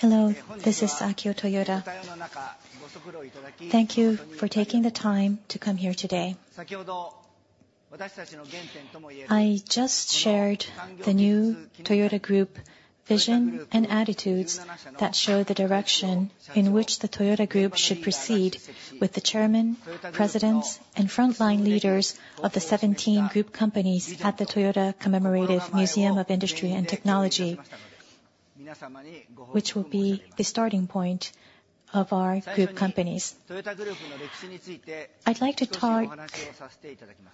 Hello, this is Akio Toyoda. Thank you for taking the time to come here today. I just shared the new Toyota Group Vision and attitudes that show the direction in which the Toyota Group should proceed with the chairman, presidents, and frontline leaders of the 17 group companies at the Toyota Commemorative Museum of Industry and Technology, which will be the starting point of our group companies. I'd like to talk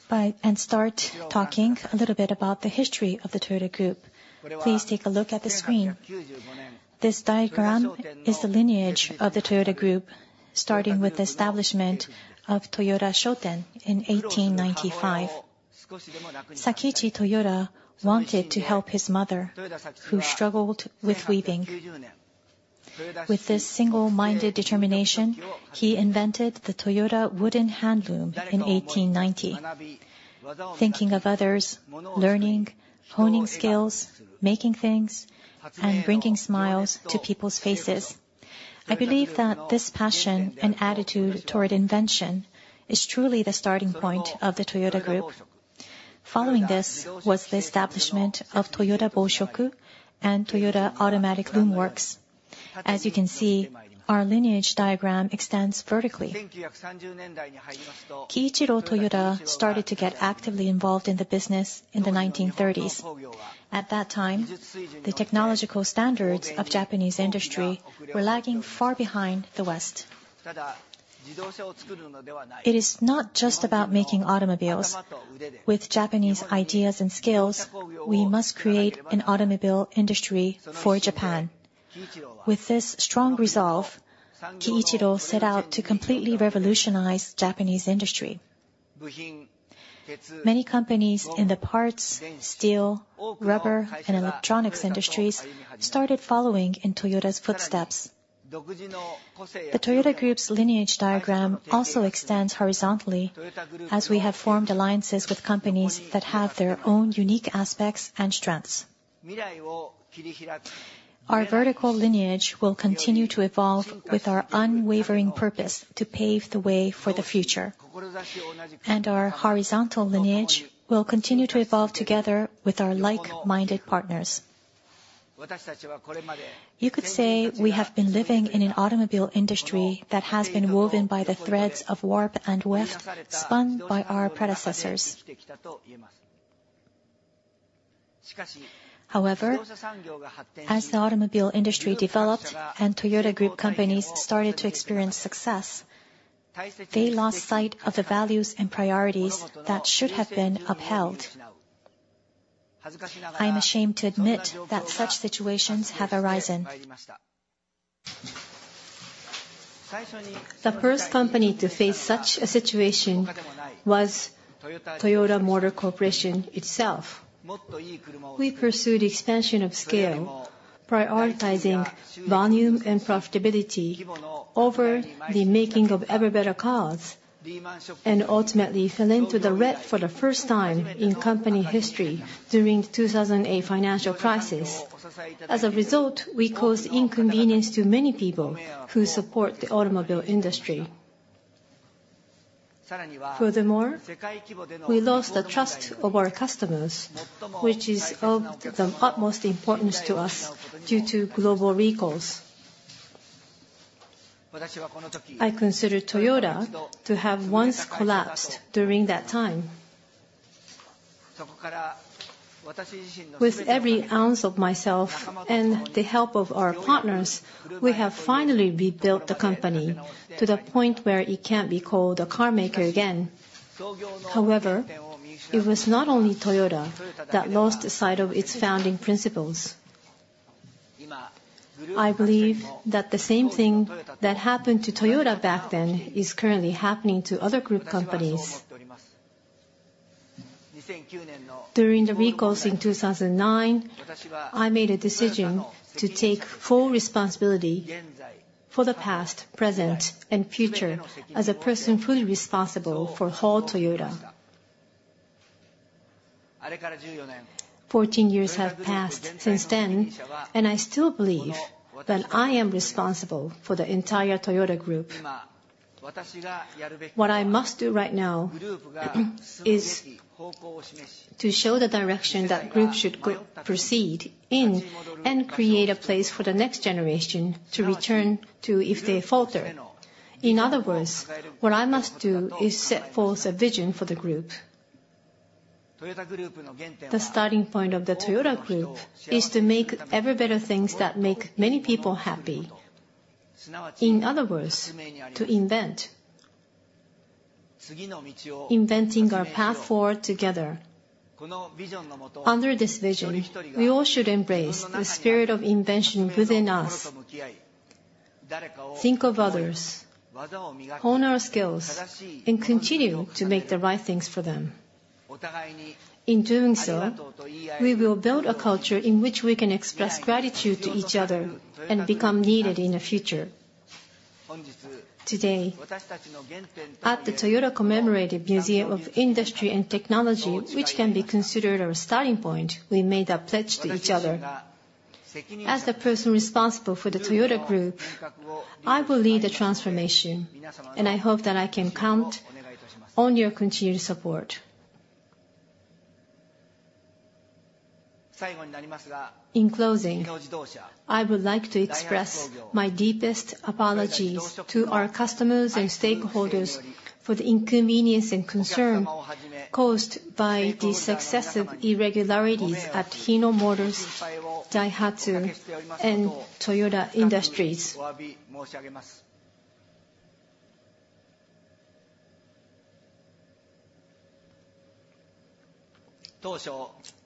by, and start talking a little bit about the history of the Toyota Group. Please take a look at the screen. This diagram is the lineage of the Toyota Group, starting with the establishment of Toyoda Shoten in 1895. Sakichi Toyoda wanted to help his mother, who struggled with weaving. With this single-minded determination, he invented the Toyoda wooden hand loom in 1890. Thinking of others, learning, honing skills, making things, and bringing smiles to people's faces. I believe that this passion and attitude toward invention is truly the starting point of the Toyota Group. Following this was the establishment of Toyota Boshoku and Toyota Automatic Loom Works. As you can see, our lineage diagram extends vertically. Kiichiro Toyoda started to get actively involved in the business in the 1930s. At that time, the technological standards of Japanese industry were lagging far behind the West. It is not just about making automobiles. With Japanese ideas and skills, we must create an automobile industry for Japan. With this strong resolve, Kiichiro set out to completely revolutionize Japanese industry. Many companies in the parts, steel, rubber, and electronics industries started following in Toyota's footsteps. The Toyota Group's lineage diagram also extends horizontally, as we have formed alliances with companies that have their own unique aspects and strengths. Our vertical lineage will continue to evolve with our unwavering purpose to pave the way for the future, and our horizontal lineage will continue to evolve together with our like-minded partners. You could say we have been living in an automobile industry that has been woven by the threads of warp and weft spun by our predecessors. However, as the automobile industry developed and Toyota Group companies started to experience success, they lost sight of the values and priorities that should have been upheld. I am ashamed to admit that such situations have arisen. The first company to face such a situation was Toyota Motor Corporation itself. We pursued expansion of scale, prioritizing volume and profitability over the making of ever-better cars, and ultimately fell into the red for the first time in company history during the 2008 financial crisis. As a result, we caused inconvenience to many people who support the automobile industry. Furthermore, we lost the trust of our customers, which is of the utmost importance to us, due to global recalls. I consider Toyota to have once collapsed during that time. With every ounce of myself and the help of our partners, we have finally rebuilt the company to the point where it can be called a car maker again. However, it was not only Toyota that lost sight of its founding principles. I believe that the same thing that happened to Toyota back then is currently happening to other group companies. During the recalls in 2009, I made a decision to take full responsibility for the past, present, and future as a person fully responsible for whole Toyota. Fourteen years have passed since then, and I still believe that I am responsible for the entire Toyota Group. What I must do right now is to show the direction that group should proceed in, and create a place for the next generation to return to if they falter. In other words, what I must do is set forth a vision for the group. The starting point of the Toyota Group is to make ever-better things that make many people happy. In other words, to invent. Inventing our path forward together. Under this vision, we all should embrace the spirit of invention within us, think of others, hone our skills, and continue to make the right things for them. In doing so, we will build a culture in which we can express gratitude to each other and become needed in the future. Today, at the Toyota Commemorative Museum of Industry and Technology, which can be considered our starting point, we made a pledge to each other. As the person responsible for the Toyota Group, I will lead the transformation, and I hope that I can count on your continued support. In closing, I would like to express my deepest apologies to our customers and stakeholders for the inconvenience and concern caused by the successive irregularities at Hino Motors, Daihatsu, and Toyota Industries.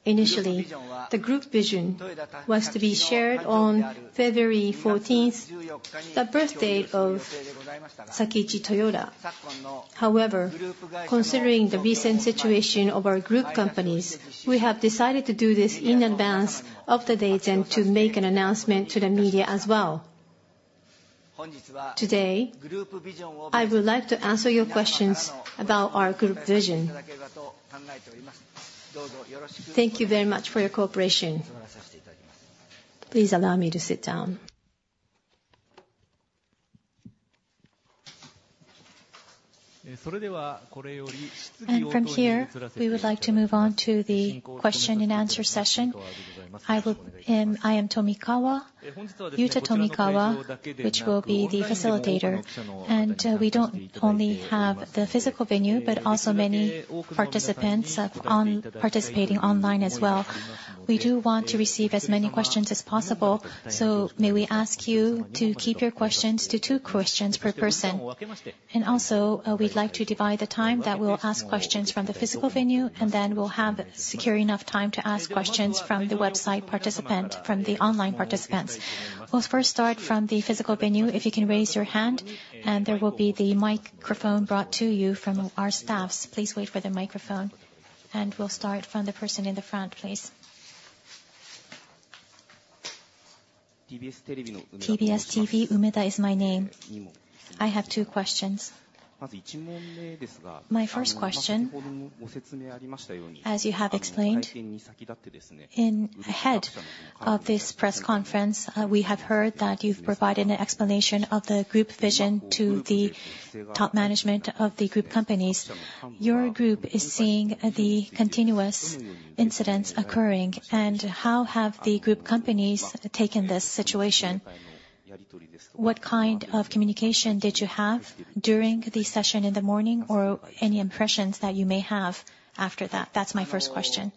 Initially, the group vision was to be shared on February 14th, the birthday of Sakichi Toyoda. However, considering the recent situation of our group companies, we have decided to do this in advance of the date and to make an announcement to the media as well. Today, I would like to answer your questions about our group vision. Thank you very much for your cooperation. Please allow me to sit down. From here, we would like to move on to the question and answer session. I am Tomikawa, Yuta Tomikawa, which will be the facilitator. We don't only have the physical venue, but also many participants online participating as well. We do want to receive as many questions as possible, so may we ask you to keep your questions to two questions per person. Also, we'd like to divide the time that we'll ask questions from the physical venue, and then we'll ensure enough time to ask questions from the website participant, from the online participants. We'll first start from the physical venue. If you can raise your hand, and there will be the microphone brought to you from our staff. Please wait for the microphone, and we'll start from the person in the front, please. TBS TV, Umeda is my name. I have two questions. My first question, as you have explained, ahead of this press conference, we have heard that you've provided an explanation of the group vision to the top management of the group companies. Your group is seeing the continuous incidents occurring, and how have the group companies taken this situation? What kind of communication did you have during the session in the morning, or any impressions that you may have after that? That's my first question.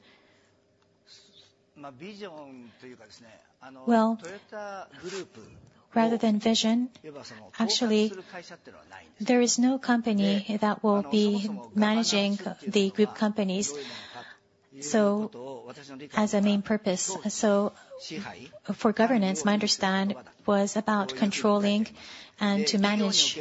Well, rather than vision, actually, there is no company that will be managing the group companies, so as a main purpose. So for governance, my understanding was about controlling and to manage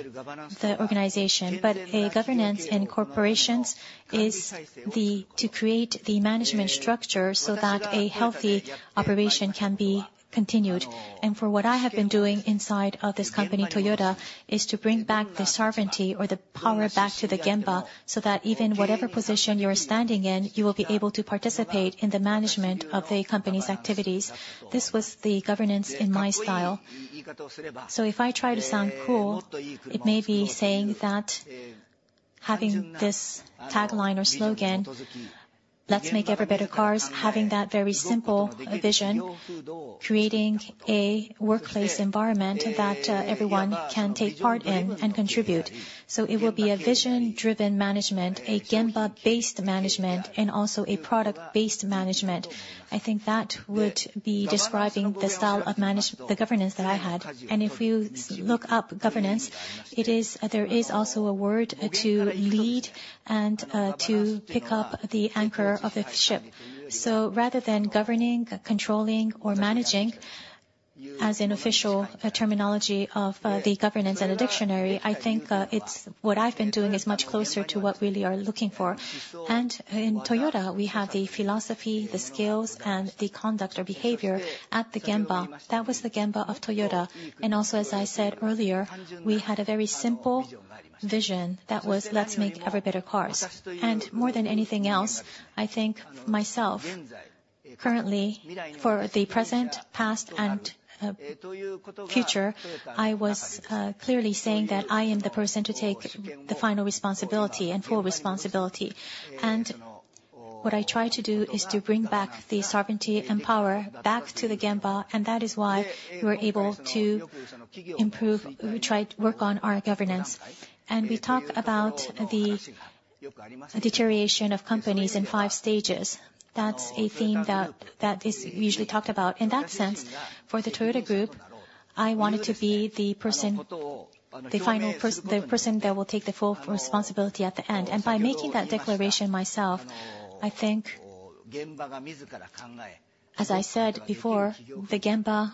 the organization. But a governance in corporations is the, to create the management structure so that a healthy operation can be continued. And for what I have been doing inside of this company, Toyota, is to bring back the sovereignty or the power back to the Gemba, so that even whatever position you're standing in, you will be able to participate in the management of the company's activities. This was the governance in my style. So if I try to sound cool, it may be saying that having this tagline or slogan, "Let's make ever-better cars," having that very simple vision, creating a workplace environment that everyone can take part in and contribute. So it will be a vision-driven management, a Gemba-based management, and also a product-based management. I think that would be describing the style of management the governance that I had. If you look up governance, it is... There is also a word to lead and to pick up the anchor of a ship. So rather than governing, controlling, or managing, as an official terminology of the governance in a dictionary, I think it's what I've been doing is much closer to what we really are looking for. In Toyota, we have the philosophy, the skills, and the conduct or behavior at the Gemba. That was the Gemba of Toyota. Also, as I said earlier, we had a very simple vision. That was, "Let's make ever-better cars." And more than anything else, I think myself, currently, for the present, past, and future, I was clearly saying that I am the person to take the final responsibility and full responsibility. And what I try to do is to bring back the sovereignty and power back to the Gemba, and that is why we were able to improve, we try to work on our governance. And we talk about the deterioration of companies in five stages. That's a theme that is usually talked about. In that sense, for the Toyota Group, I wanted to be the person, the final person that will take the full responsibility at the end. And by making that declaration myself, I think, as I said before, the Gemba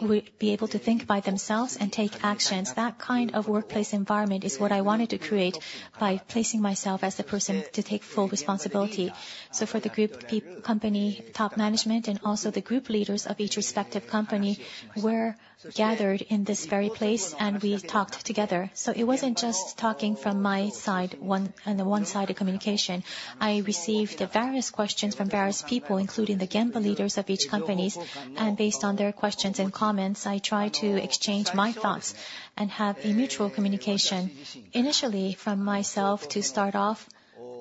will be able to think by themselves and take actions. That kind of workplace environment is what I wanted to create by placing myself as the person to take full responsibility. So for the group company, top management, and also the group leaders of each respective company, were gathered in this very place, and we talked together. So it wasn't just talking from my side, one-on-one, a one-sided communication. I received various questions from various people, including the Gemba leaders of each companies, and based on their questions and comments, I try to exchange my thoughts and have a mutual communication. Initially, from myself, to start off,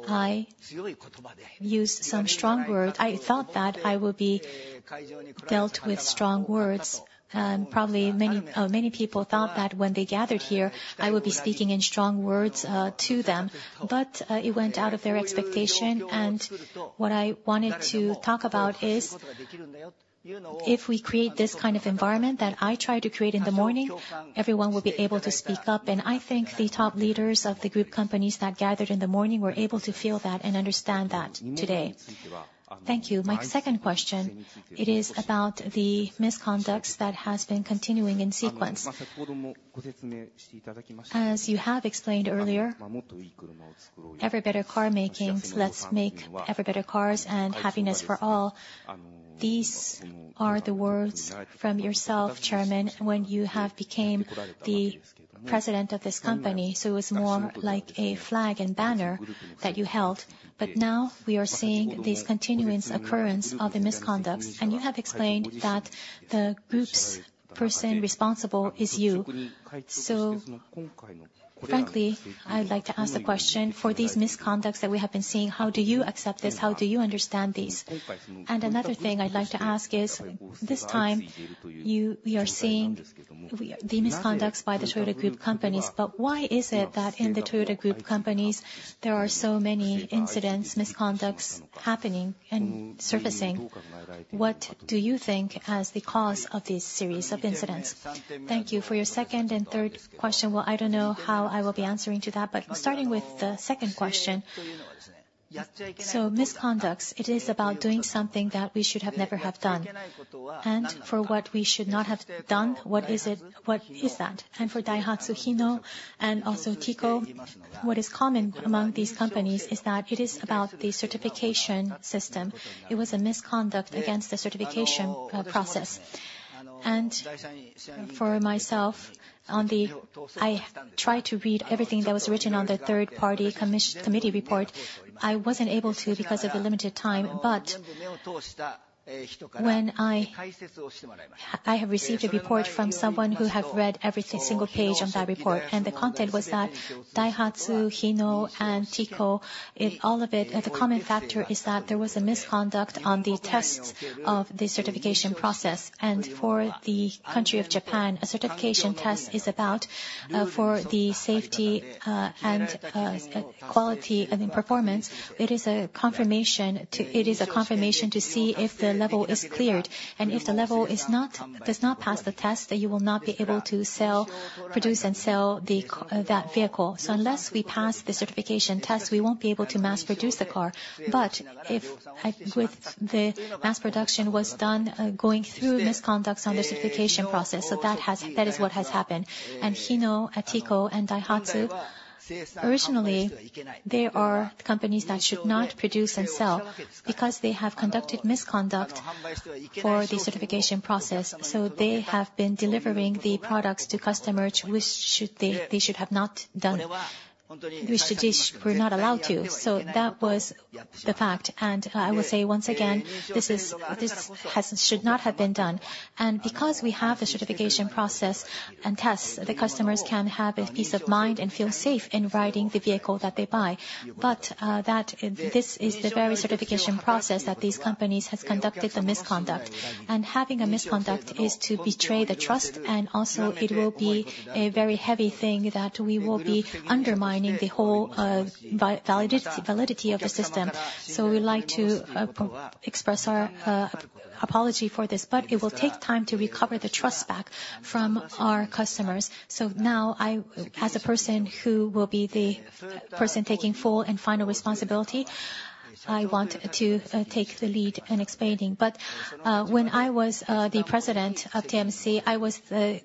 I used some strong words. I thought that I would be dealt with strong words, and probably many, many people thought that when they gathered here, I would be speaking in strong words, to them. It went out of their expectation, and what I wanted to talk about is, if we create this kind of environment that I tried to create in the morning, everyone will be able to speak up. I think the top leaders of the group companies that gathered in the morning were able to feel that and understand that today. Thank you. My second question, it is about the misconduct that has been continuing in sequence. As you have explained earlier, every better car makings, let's make every better cars and happiness for all. These are the words from yourself, Chairman, when you have became the president of this company, so it's more like a flag and banner that you held. Now, we are seeing these continuous occurrence of the misconduct, and you have explained that the group's person responsible is you. So frankly, I'd like to ask the question, for these misconducts that we have been seeing, how do you accept this? How do you understand these? And another thing I'd like to ask is, this time, we are seeing the misconducts by the Toyota Group companies, but why is it that in the Toyota Group companies, there are so many incidents, misconducts happening and surfacing? What do you think as the cause of these series of incidents? Thank you for your second and third question. Well, I don't know how I will be answering to that, but starting with the second question. So misconducts, it is about doing something that we should have never have done. And for what we should not have done, what is it? What is that? For Daihatsu, Hino, and also TICO, what is common among these companies is that it is about the certification system. It was a misconduct against the certification process. For myself, on the... I tried to read everything that was written on the third-party committee report. I wasn't able to because of a limited time, but I have received a report from someone who have read every single page on that report, and the content was that Daihatsu, Hino, and TICO, it, all of it, the common factor is that there was a misconduct on the tests of the certification process. For the country of Japan, a certification test is about for the safety and quality and performance. It is a confirmation to, it is a confirmation to see if the level is cleared, and if the level is not, does not pass the test, then you will not be able to sell, produce and sell that vehicle. So unless we pass the certification test, we won't be able to mass produce the car. But if I... With the mass production was done, going through misconducts on the certification process, so that has, that is what has happened. And Hino, TICO and Daihatsu, originally, they are companies that should not produce and sell because they have conducted misconduct for the certification process. So they have been delivering the products to customers, which should they, they should have not done, which they, they were not allowed to. So that was the fact. I will say, once again, this should not have been done. Because we have the certification process and tests, the customers can have a peace of mind and feel safe in riding the vehicle that they buy. But this is the very certification process that these companies has conducted the misconduct. Having a misconduct is to betray the trust, and also it will be a very heavy thing that we will be undermining the whole validity of the system. So we'd like to express our apology for this, but it will take time to recover the trust back from our customers. So now, I, as a person who will be the person taking full and final responsibility, I want to take the lead in explaining. But when I was the President of TMC, I was the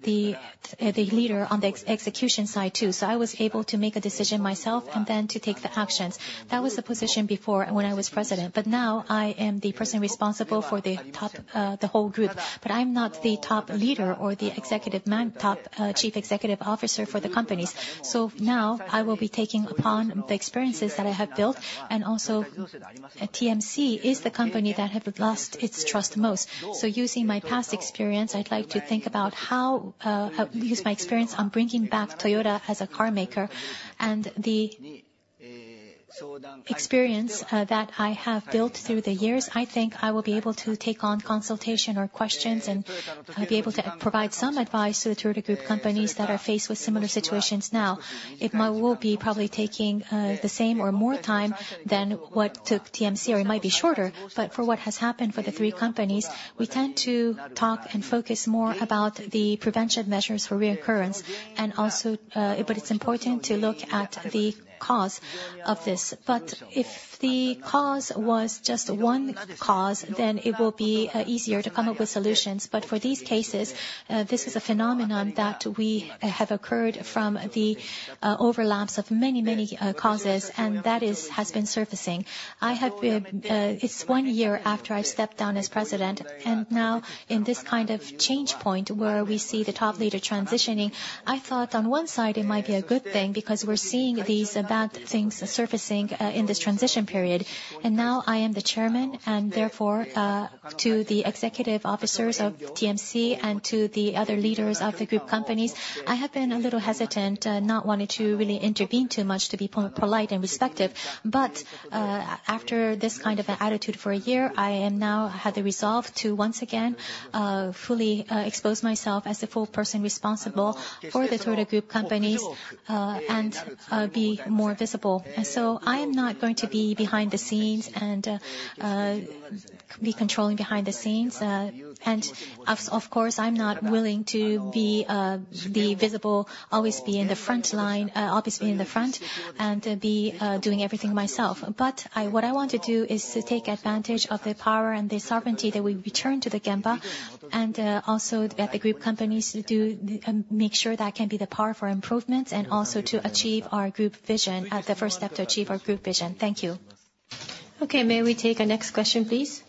leader on the execution side, too. So I was able to make a decision myself and then to take the actions. That was the position before when I was President, but now I am the person responsible for the top, the whole group. But I'm not the top leader or the executive man, top Chief Executive Officer for the companies. So now, I will be taking upon the experiences that I have built, and also, TMC is the company that have lost its trust the most. So using my past experience, I'd like to think about how use my experience on bringing back Toyota as a car maker and the-... experience that I have built through the years, I think I will be able to take on consultation or questions, and I'll be able to provide some advice to the Toyota Group companies that are faced with similar situations now. It might will be probably taking the same or more time than what took TMC, or it might be shorter. But for what has happened for the three companies, we tend to talk and focus more about the prevention measures for reoccurrence, and also. But it's important to look at the cause of this. But if the cause was just one cause, then it will be easier to come up with solutions. But for these cases, this is a phenomenon that we have occurred from the overlaps of many, many causes, and that is has been surfacing. I have been. It's one year after I stepped down as president, and now, in this kind of change point, where we see the top leader transitioning, I thought on one side it might be a good thing, because we're seeing these bad things surfacing in this transition period. And now I am the chairman, and therefore, to the executive officers of TMC and to the other leaders of the group companies, I have been a little hesitant, not wanting to really intervene too much, to be polite and respectful. But after this kind of an attitude for a year, I am now have the resolve to once again fully expose myself as the full person responsible for the Toyota Group companies, and be more visible. And so I am not going to be behind the scenes and be controlling behind the scenes. And of course, I'm not willing to be visible, always be in the front line, always be in the front, and be doing everything myself. But what I want to do is to take advantage of the power and the sovereignty that we return to the Gemba, and also at the group companies to do... make sure that can be the power for improvements, and also to achieve our group vision, the first step to achieve our group vision. Thank you. Okay, may we take a next question, please?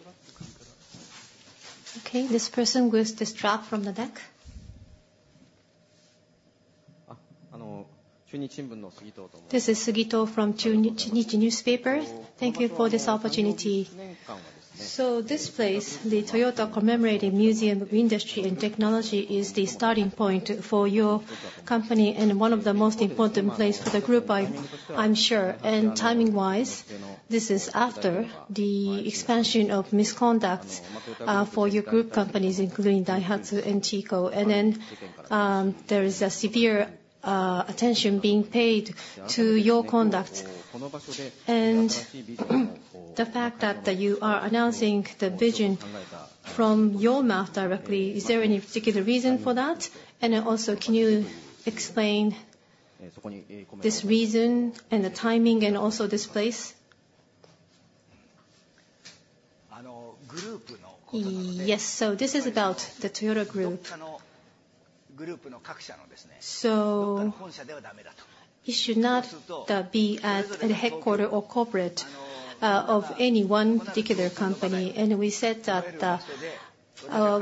Okay, this person with this strap from the back. Yes, so this is about the Toyota Group. So it should not be at the headquarters or corporate of any one particular company. And we said that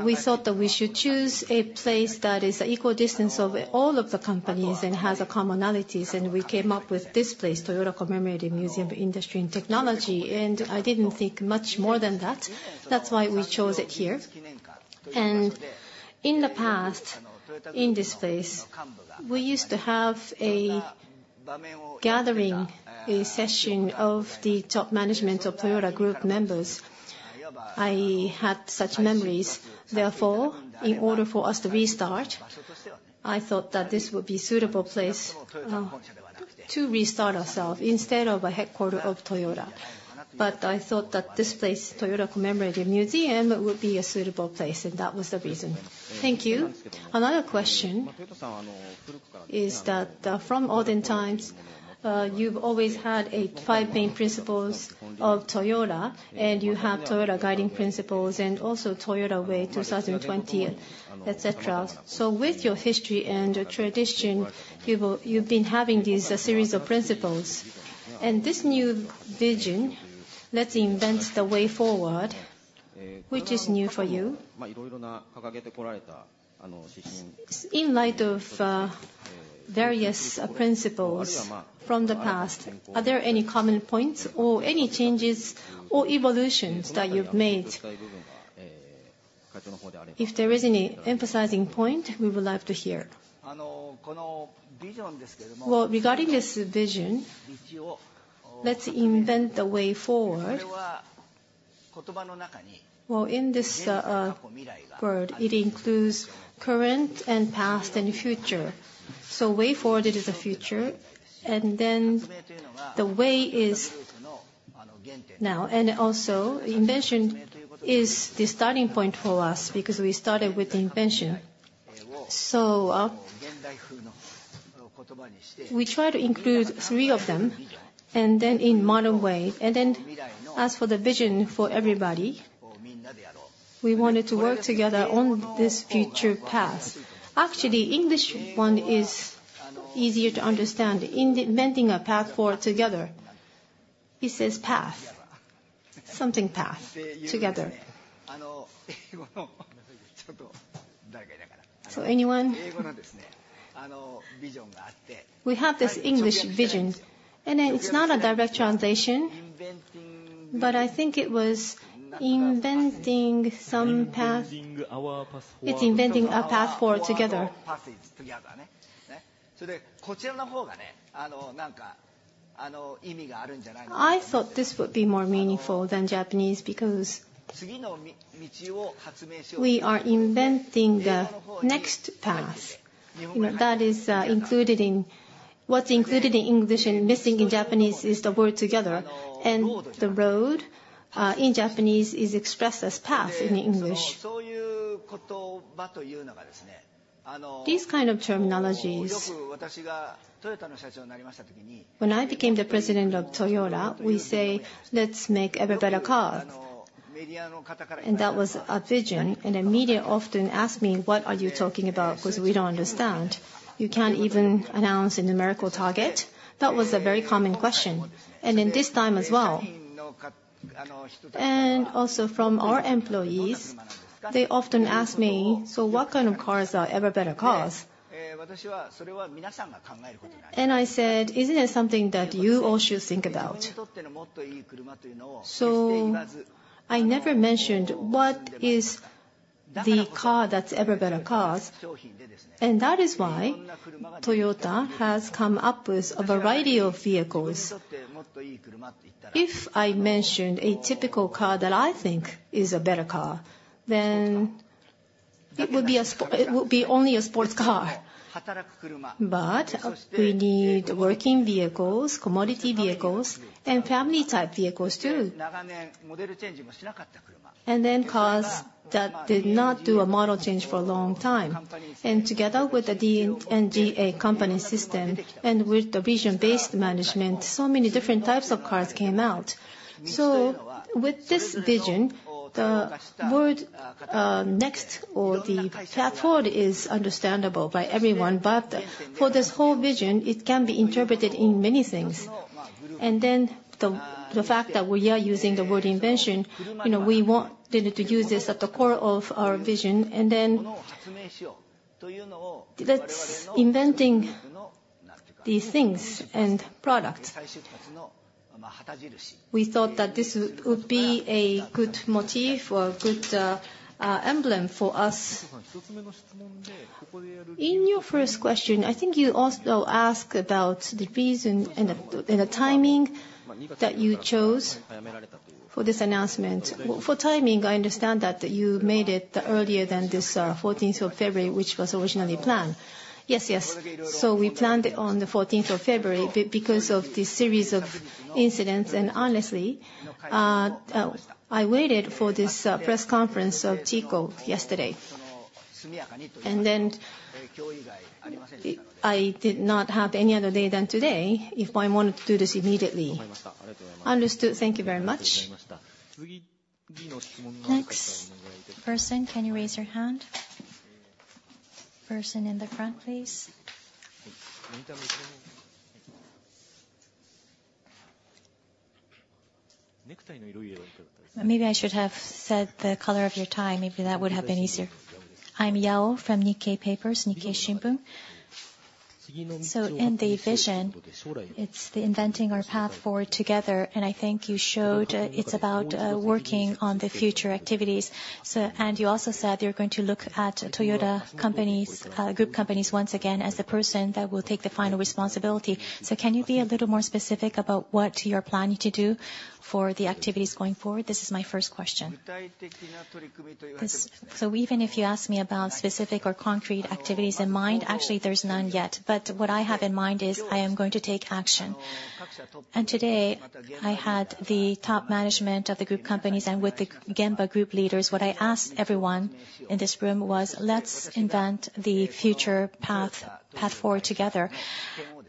we thought that we should choose a place that is equal distance of all of the companies and has a commonalities, and we came up with this place, Toyota Commemorative Museum of Industry and Technology. And I didn't think much more than that. That's why we chose it here. And in the past, in this place, we used to have a gathering, a session of the top management of Toyota Group members. I had such memories. Therefore, in order for us to restart, I thought that this would be suitable place to restart ourselves instead of a headquarters of Toyota. But I thought that this place, Toyota Commemorative Museum, would be a suitable place, and that was the reason. Thank you. Another question is that from olden times, you've always had five main principles of Toyota, and you have Toyota guiding principles, and also Toyota Way 2020, et cetera. So with your history and tradition, you've been having these series of principles, and this new vision, Let's Invent The Way Forward, which is new for you. In light of various principles from the past, are there any common points or any changes or evolutions that you've made? If there is any emphasizing point, we would like to hear. Well, regarding this vision, Let's invent the way forward... Well, in this word, it includes current and past and future. So way forward is the future, and then the way is now. And also, invention is the starting point for us, because we started with invention. So, we try to include three of them, and then in modern way. And then as for the vision for everybody, we wanted to work together on this future path. Actually, English one is easier to understand, in inventing a path forward together. It says, "Path," something path, together. So anyone... We have this English vision, and it's not a direct translation.... but I think it was inventing some path. Inventing our path forward. It's inventing our path forward together. Path together. I thought this would be more meaningful than Japanese, because we are inventing the next path. You know, that is included in what's included in English and missing in Japanese is the word together, and the road in Japanese is expressed as path in English. These kind of terminologies, when I became the president of Toyota, we say, "Let's make ever-better car." And that was our vision, and the media often asked me: "What are you talking about? Because we don't understand. You can't even announce a numerical target?" That was a very common question, and in this time as well. Also from our employees, they often ask me: "So what kind of cars are ever-better cars?" And I said: "Isn't it something that you all should think about?" So I never mentioned what is the car that's ever-better cars, and that is why Toyota has come up with a variety of vehicles. If I mentioned a typical car that I think is a better car, then it would be only a sports car. But we need working vehicles, commodity vehicles, and family-type vehicles, too. And then cars that did not do a model change for a long time. And together with the DNGA company system and with the vision-based management, so many different types of cars came out. So with this vision, the word, next or the platform is understandable by everyone, but for this whole vision, it can be interpreted in many things. And then the fact that we are using the word invention, you know, we wanted to use this at the core of our vision, and then... let's inventing these things and products. We thought that this would be a good motif or a good emblem for us. In your first question, I think you also asked about the reason and the timing that you chose for this announcement. For timing, I understand that you made it earlier than this February 14th, which was originally planned. Yes, yes. So we planned it on the February 14th, because of this series of incidents, and honestly, I waited for this press conference of TICO yesterday. Then I did not have any other day than today, if I wanted to do this immediately. Understood. Thank you very much. Next person, can you raise your hand? Person in the front, please. Maybe I should have said the color of your tie, maybe that would have been easier. I'm Yao from Nikkei Papers, Nikkei Shimbun. So in the vision, it's the inventing our path forward together, and I think you showed, it's about working on the future activities. So and you also said you're going to look at Toyota companies, group companies once again, as the person that will take the final responsibility. So can you be a little more specific about what you are planning to do for the activities going forward? This is my first question. This, so even if you ask me about specific or concrete activities in mind, actually, there's none yet. But what I have in mind is, I am going to take action. Today, I had the top management of the group companies and with the Gemba group leaders, what I asked everyone in this room was: "Let's invent the future path, path forward together."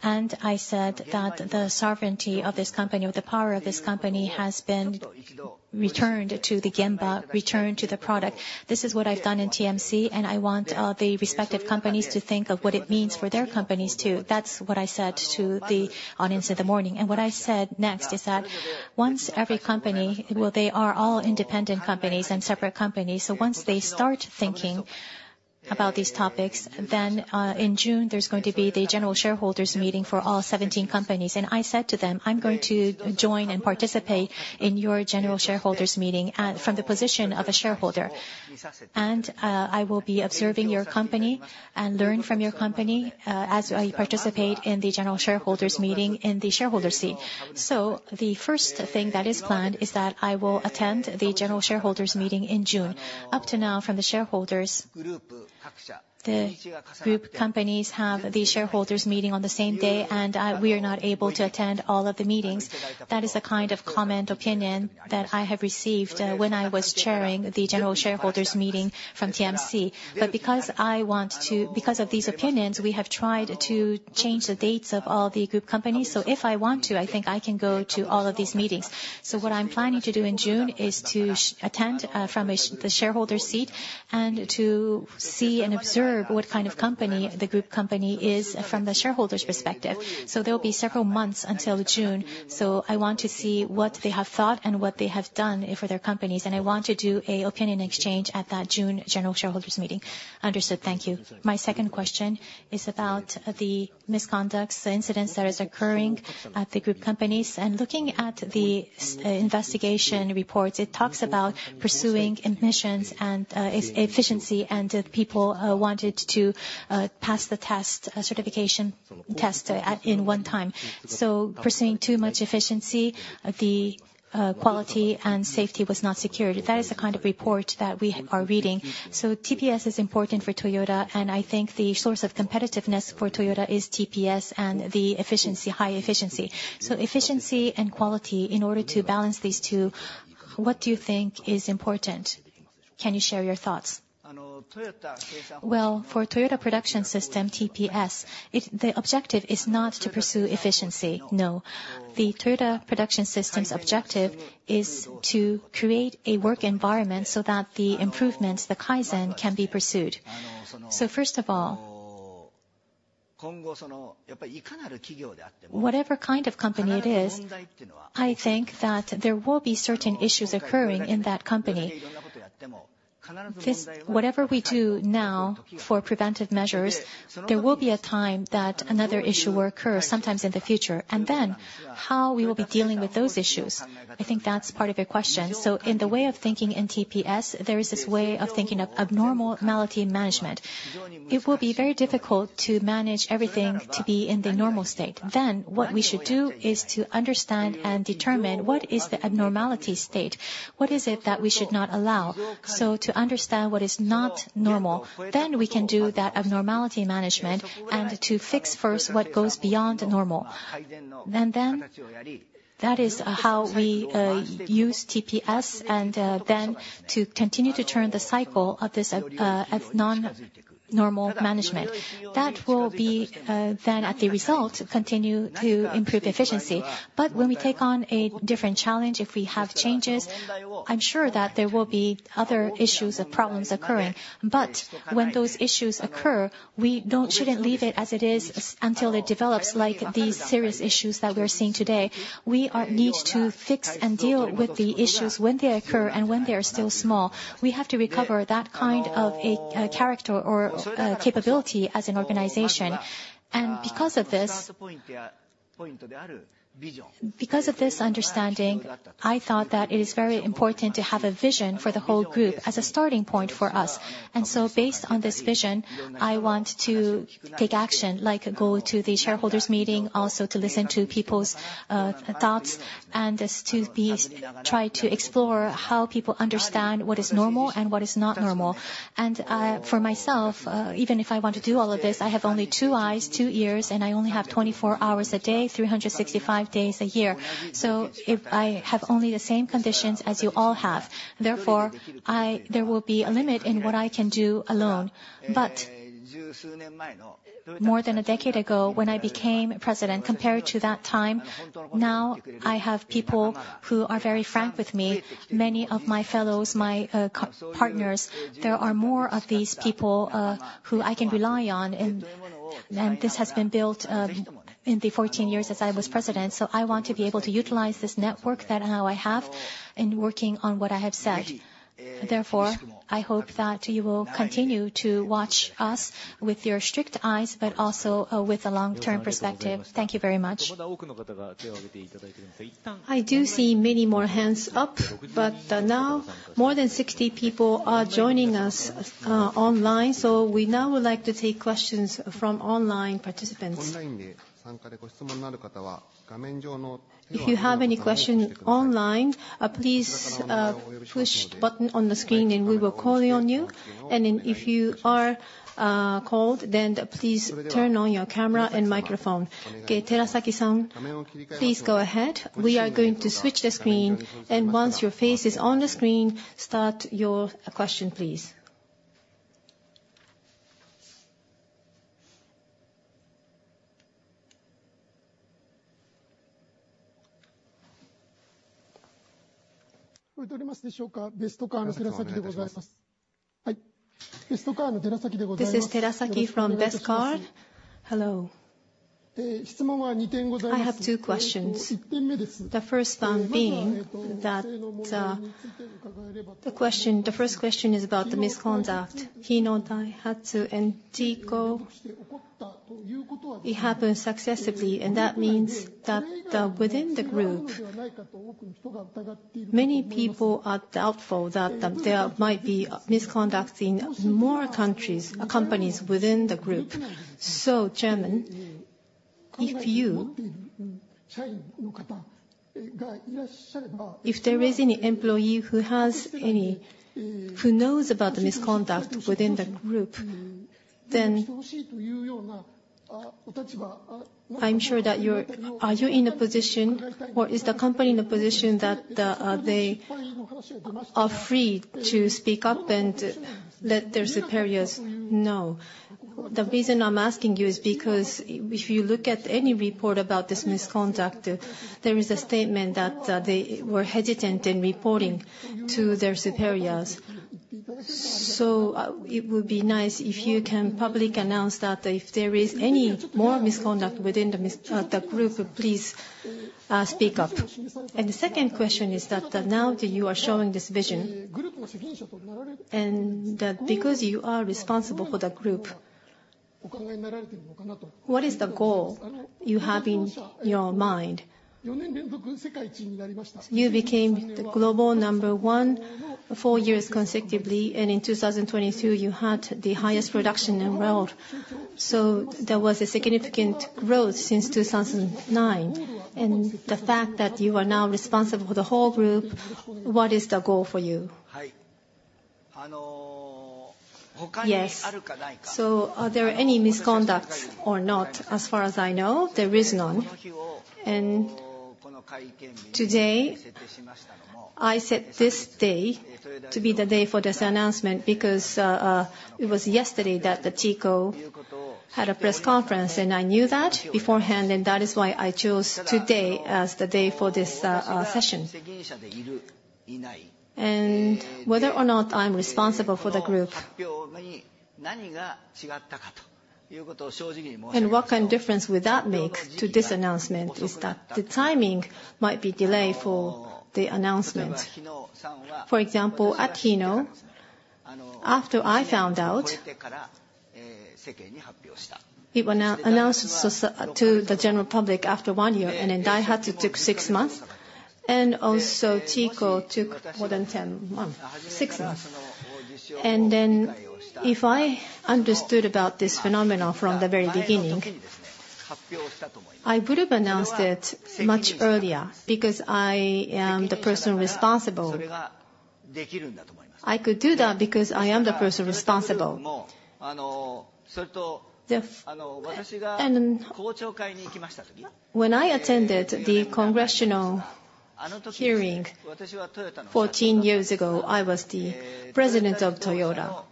And I said that the sovereignty of this company or the power of this company has been returned to the Gemba, returned to the product. This is what I've done in TMC, and I want the respective companies to think of what it means for their companies, too. That's what I said to the audience in the morning. And what I said next is that once every company, well, they are all independent companies and separate companies, so once they start thinking about these topics, then in June, there's going to be the general shareholders meeting for all 17 companies. And I said to them, "I'm going to join and participate in your general shareholders meeting from the position of a shareholder. And I will be observing your company and learn from your company as I participate in the general shareholders meeting in the shareholder seat." So the first thing that is planned is that I will attend the general shareholders meeting in June. Up to now, from the shareholders, the group companies have the shareholders meeting on the same day, and we are not able to attend all of the meetings. That is the kind of comment, opinion that I have received when I was chairing the general shareholders meeting from TMC. But because I want to... Because of these opinions, we have tried to change the dates of all the group companies. So if I want to, I think I can go to all of these meetings. So what I'm planning to do in June is to attend from the shareholder seat, and to see and observe what kind of company the group company is from the shareholder's perspective. So there will be several months until June, so I want to see what they have thought and what they have done for their companies, and I want to do a opinion exchange at that June general shareholders meeting. Understood. Thank you. My second question is about the misconduct, the incidents that is occurring at the group companies. And looking at the investigation reports, it talks about pursuing emissions and efficiency, and the people wanted to pass the test certification test at in one time. So pursuing too much efficiency, the quality and safety was not secured. That is the kind of report that we are reading. So TPS is important for Toyota, and I think the source of competitiveness for Toyota is TPS and the efficiency, high efficiency. So efficiency and quality, in order to balance these two, what do you think is important? Can you share your thoughts?...Well, for Toyota Production System, TPS, it, the objective is not to pursue efficiency, no. The Toyota Production System's objective is to create a work environment so that the improvements, the Kaizen, can be pursued. So first of all, whatever kind of company it is, I think that there will be certain issues occurring in that company. This, whatever we do now for preventive measures, there will be a time that another issue will occur sometimes in the future, and then how we will be dealing with those issues? I think that's part of your question. So in the way of thinking in TPS, there is this way of thinking of abnormal normality management. It will be very difficult to manage everything to be in the normal state. Then what we should do is to understand and determine what is the abnormality state, what is it that we should not allow? So to understand what is not normal, then we can do that abnormality management, and to fix first what goes beyond the normal. And then, that is, how we use TPS, and, then to continue to turn the cycle of this, of non-normal management. That will be, then at the result, continue to improve efficiency. But when we take on a different challenge, if we have changes, I'm sure that there will be other issues or problems occurring. But when those issues occur, we shouldn't leave it as it is until it develops, like the serious issues that we're seeing today. We need to fix and deal with the issues when they occur and when they are still small. We have to recover that kind of a character or capability as an organization. And because of this, because of this understanding, I thought that it is very important to have a vision for the whole group as a starting point for us. So based on this vision, I want to take action, like go to the shareholders meeting, also to listen to people's thoughts, and to try to explore how people understand what is normal and what is not normal. For myself, even if I want to do all of this, I have only two eyes, two ears, and I only have 24 hours a day, 365 days a year. So if I have only the same conditions as you all have, therefore, I, there will be a limit in what I can do alone. But more than a decade ago, when I became president, compared to that time, now I have people who are very frank with me. Many of my fellows, my, co-partners, there are more of these people, who I can rely on, and, and this has been built, in the 14 years as I was president. So I want to be able to utilize this network that now I have in working on what I have said. Therefore, I hope that you will continue to watch us with your strict eyes, but also, with a long-term perspective. Thank you very much. I do see many more hands up, but, now more than 60 people are joining us, online, so we now would like to take questions from online participants. If you have any question online, please, push button on the screen, and we will call on you. And then if you are, called, then please turn on your camera and microphone. Okay, Terasaki-san, please go ahead. We are going to switch the screen, and once your face is on the screen, start your question, please. This is Terasaki from Best Car. Hello. I have two questions. The first one being that, the question, the first question is about the misconduct. Hino, Daihatsu, and Denso, it happened successively, and that means that, within the group, many people are doubtful that, there might be misconduct in more countries, companies within the group. So, Chairman, if there is any employee who knows about the misconduct within the group, then are you in a position, or is the company in a position that they are free to speak up and let their superiors know? The reason I'm asking you is because if you look at any report about this misconduct, there is a statement that they were hesitant in reporting to their superiors. So it would be nice if you can publicly announce that if there is any more misconduct within the group, please speak up. And the second question is that now that you are showing this vision, and because you are responsible for the group, what is the goal you have in your mind? You became the global number one four years consecutively, and in 2022, you had the highest production in the world. So there was a significant growth since 2009, and the fact that you are now responsible for the whole group. What is the goal for you? Yes. Are there any misconduct or not? As far as I know, there is none. And- ...Today, I set this day to be the day for this announcement, because it was yesterday that the TICO had a press conference, and I knew that beforehand, and that is why I chose today as the day for this session. And whether or not I'm responsible for the group, and what kind of difference would that make to this announcement, is that the timing might be delayed for the announcement. For example, at Hino, after I found out, it was now announced to the general public after one year, and then Daihatsu took six months, and also TICO took more than ten months to six months. And then if I understood about this phenomenon from the very beginning, I would have announced it much earlier, because I am the person responsible. I could do that because I am the person responsible. When I attended the congressional hearing 14 years ago, I was the president of Toyota.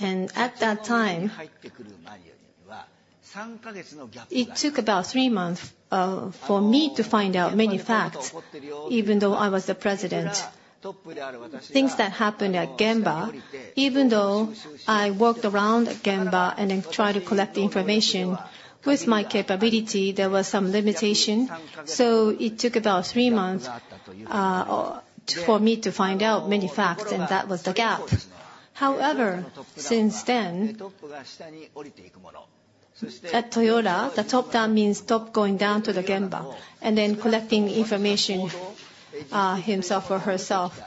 And at that time, it took about three months for me to find out many facts, even though I was the president. Things that happened at Gemba, even though I walked around at Gemba and then tried to collect the information, with my capability, there was some limitation, so it took about three months for me to find out many facts, and that was the gap. However, since then, at Toyota, the top down means top going down to the Gemba and then collecting information himself or herself.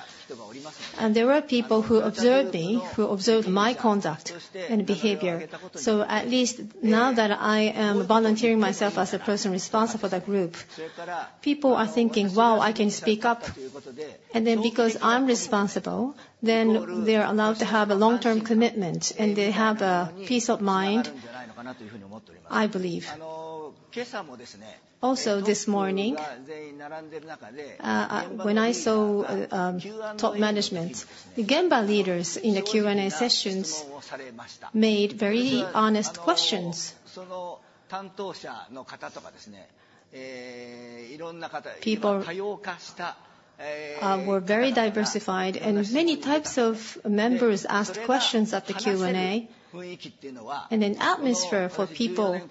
And there were people who observed me, who observed my conduct and behavior. So at least now that I am volunteering myself as a person responsible for the group, people are thinking, "Wow, I can speak up." And then because I'm responsible, then they are allowed to have a long-term commitment, and they have a peace of mind, I believe. Also, this morning, when I saw top management, the Gemba leaders in the Q&A sessions made very honest questions. People were very diversified, and many types of members asked questions at the Q&A. And an atmosphere for people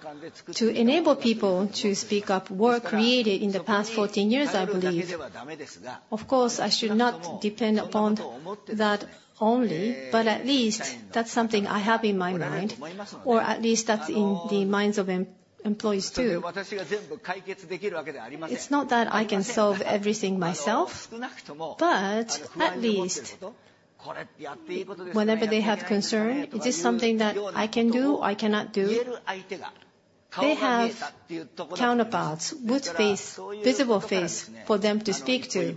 to enable people to speak up were created in the past 14 years, I believe. Of course, I should not depend upon that only, but at least that's something I have in my mind, or at least that's in the minds of employees, too. It's not that I can solve everything myself, but at least whenever they have concern, is this something that I can do or I cannot do? They have counterparts, good face, visible face, for them to speak to.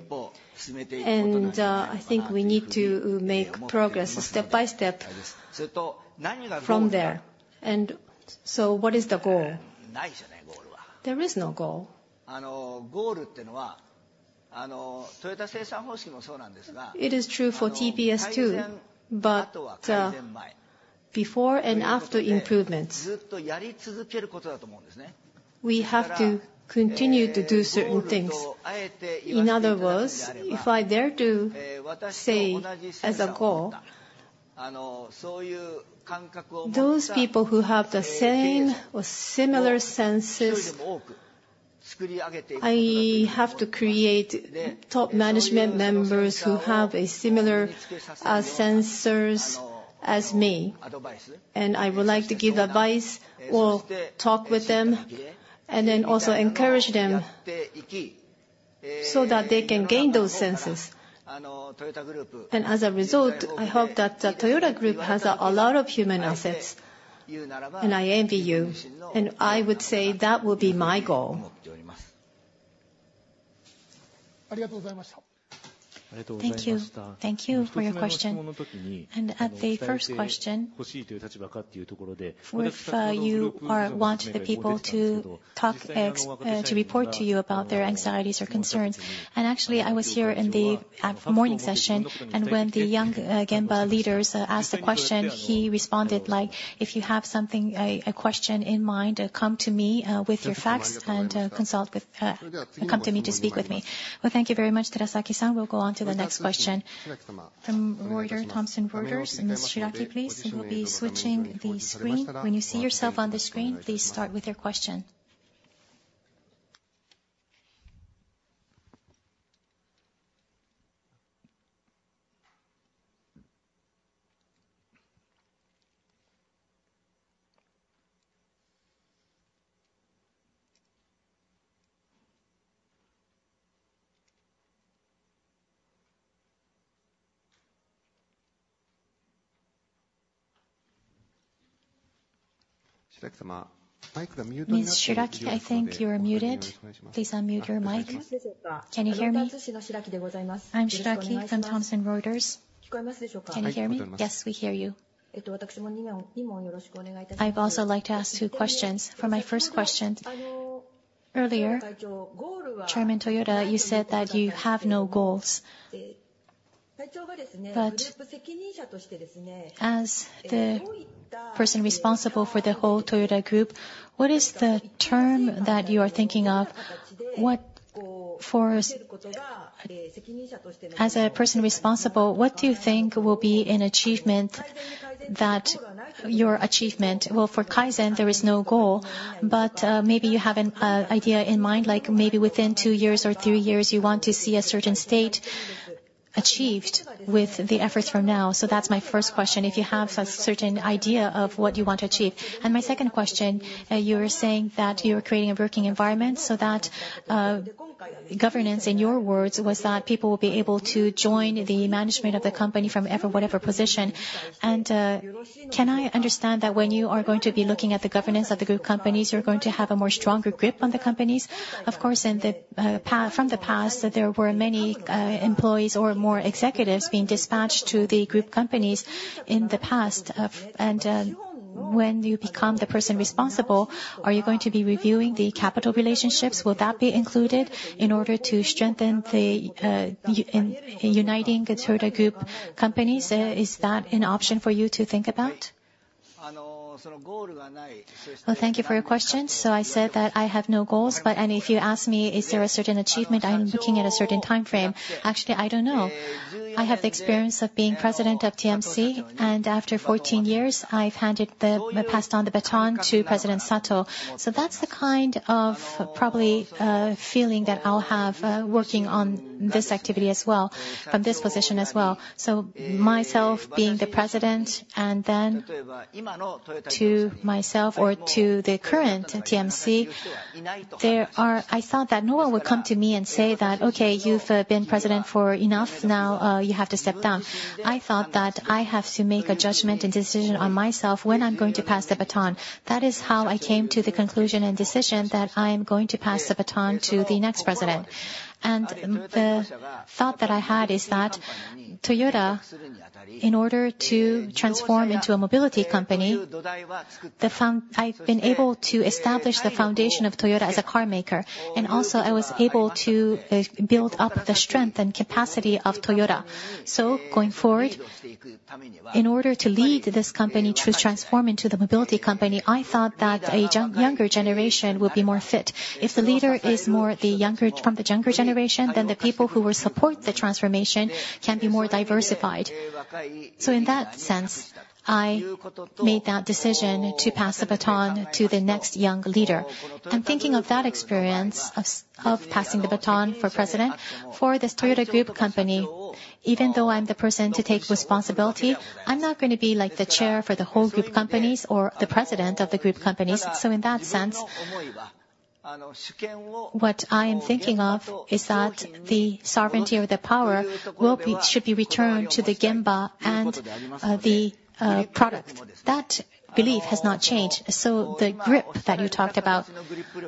And I think we need to make progress step by step from there. And so what is the goal? There is no goal. It is true for TPS, too, but before and after improvements, we have to continue to do certain things. In other words, if I dare to say as a goal, those people who have the same or similar senses, I have to create top management members who have a similar senses as me. And I would like to give advice or talk with them, and then also encourage them so that they can gain those senses. As a result, I hope that the Toyota Group has a lot of human assets, and I envy you, and I would say that will be my goal. Thank you. Thank you for your question. At the first question, if you are want the people to talk, ex, to report to you about their anxieties or concerns. Actually, I was here in the morning session, and when the young Gemba leaders asked a question, he responded like: "If you have something, a question in mind, come to me with your facts and consult with come to me to speak with me." Well, thank you very much, Terasaki-san. We'll go on to the next question from Reuters, Thomson Reuters, Ms. Shiraki, please. We'll be switching the screen. When you see yourself on the screen, please start with your question. Ms. Shiraki, I think you are muted. Please unmute your mic. Can you hear me? I'm Shiraki from Thomson Reuters. Can you hear me? Yes, we hear you.... I'd also like to ask two questions. For my first question, earlier, Chairman Toyoda, you said that you have no goals. But as the person responsible for the whole Toyota Group, what is the term that you are thinking of? What, for us, as a person responsible, what do you think will be an achievement that your achievement... Well, for Kaizen, there is no goal, but maybe you have an idea in mind, like maybe within two years or three years, you want to see a certain state achieved with the efforts from now. So that's my first question, if you have a certain idea of what you want to achieve. And my second question, you were saying that you were creating a working environment, so that governance, in your words, was that people will be able to join the management of the company from every whatever position. And, can I understand that when you are going to be looking at the governance of the group companies, you're going to have a more stronger grip on the companies? Of course, in the past, there were many employees or more executives being dispatched to the group companies in the past. And, when you become the person responsible, are you going to be reviewing the capital relationships? Will that be included in order to strengthen the uniting the Toyota Group companies? Is that an option for you to think about? Well, thank you for your question. So I said that I have no goals, but and if you ask me, is there a certain achievement, I'm looking at a certain time frame? Actually, I don't know. I have the experience of being president of TMC, and after 14 years, I've passed on the baton to President Sato. So that's the kind of probably feeling that I'll have working on this activity as well, from this position as well. So myself being the president and then to myself or to the current TMC, there are I thought that no one would come to me and say that: "Okay, you've been president for enough. Now you have to step down." I thought that I have to make a judgment and decision on myself when I'm going to pass the baton. That is how I came to the conclusion and decision that I am going to pass the baton to the next president. The thought that I had is that Toyota, in order to transform into a mobility company, I've been able to establish the foundation of Toyota as a car maker, and also I was able to build up the strength and capacity of Toyota. So going forward, in order to lead this company to transform into the mobility company, I thought that a younger generation will be more fit. If the leader is more the younger, from the younger generation, then the people who will support the transformation can be more diversified. So in that sense, I made that decision to pass the baton to the next young leader. I'm thinking of that experience of passing the baton for president. For this Toyota Group company, even though I'm the person to take responsibility, I'm not going to be like the chair for the whole group companies or the president of the group companies. So in that sense, what I am thinking of is that the sovereignty or the power will be, should be returned to the Gemba and the product. That belief has not changed. So the grip that you talked about,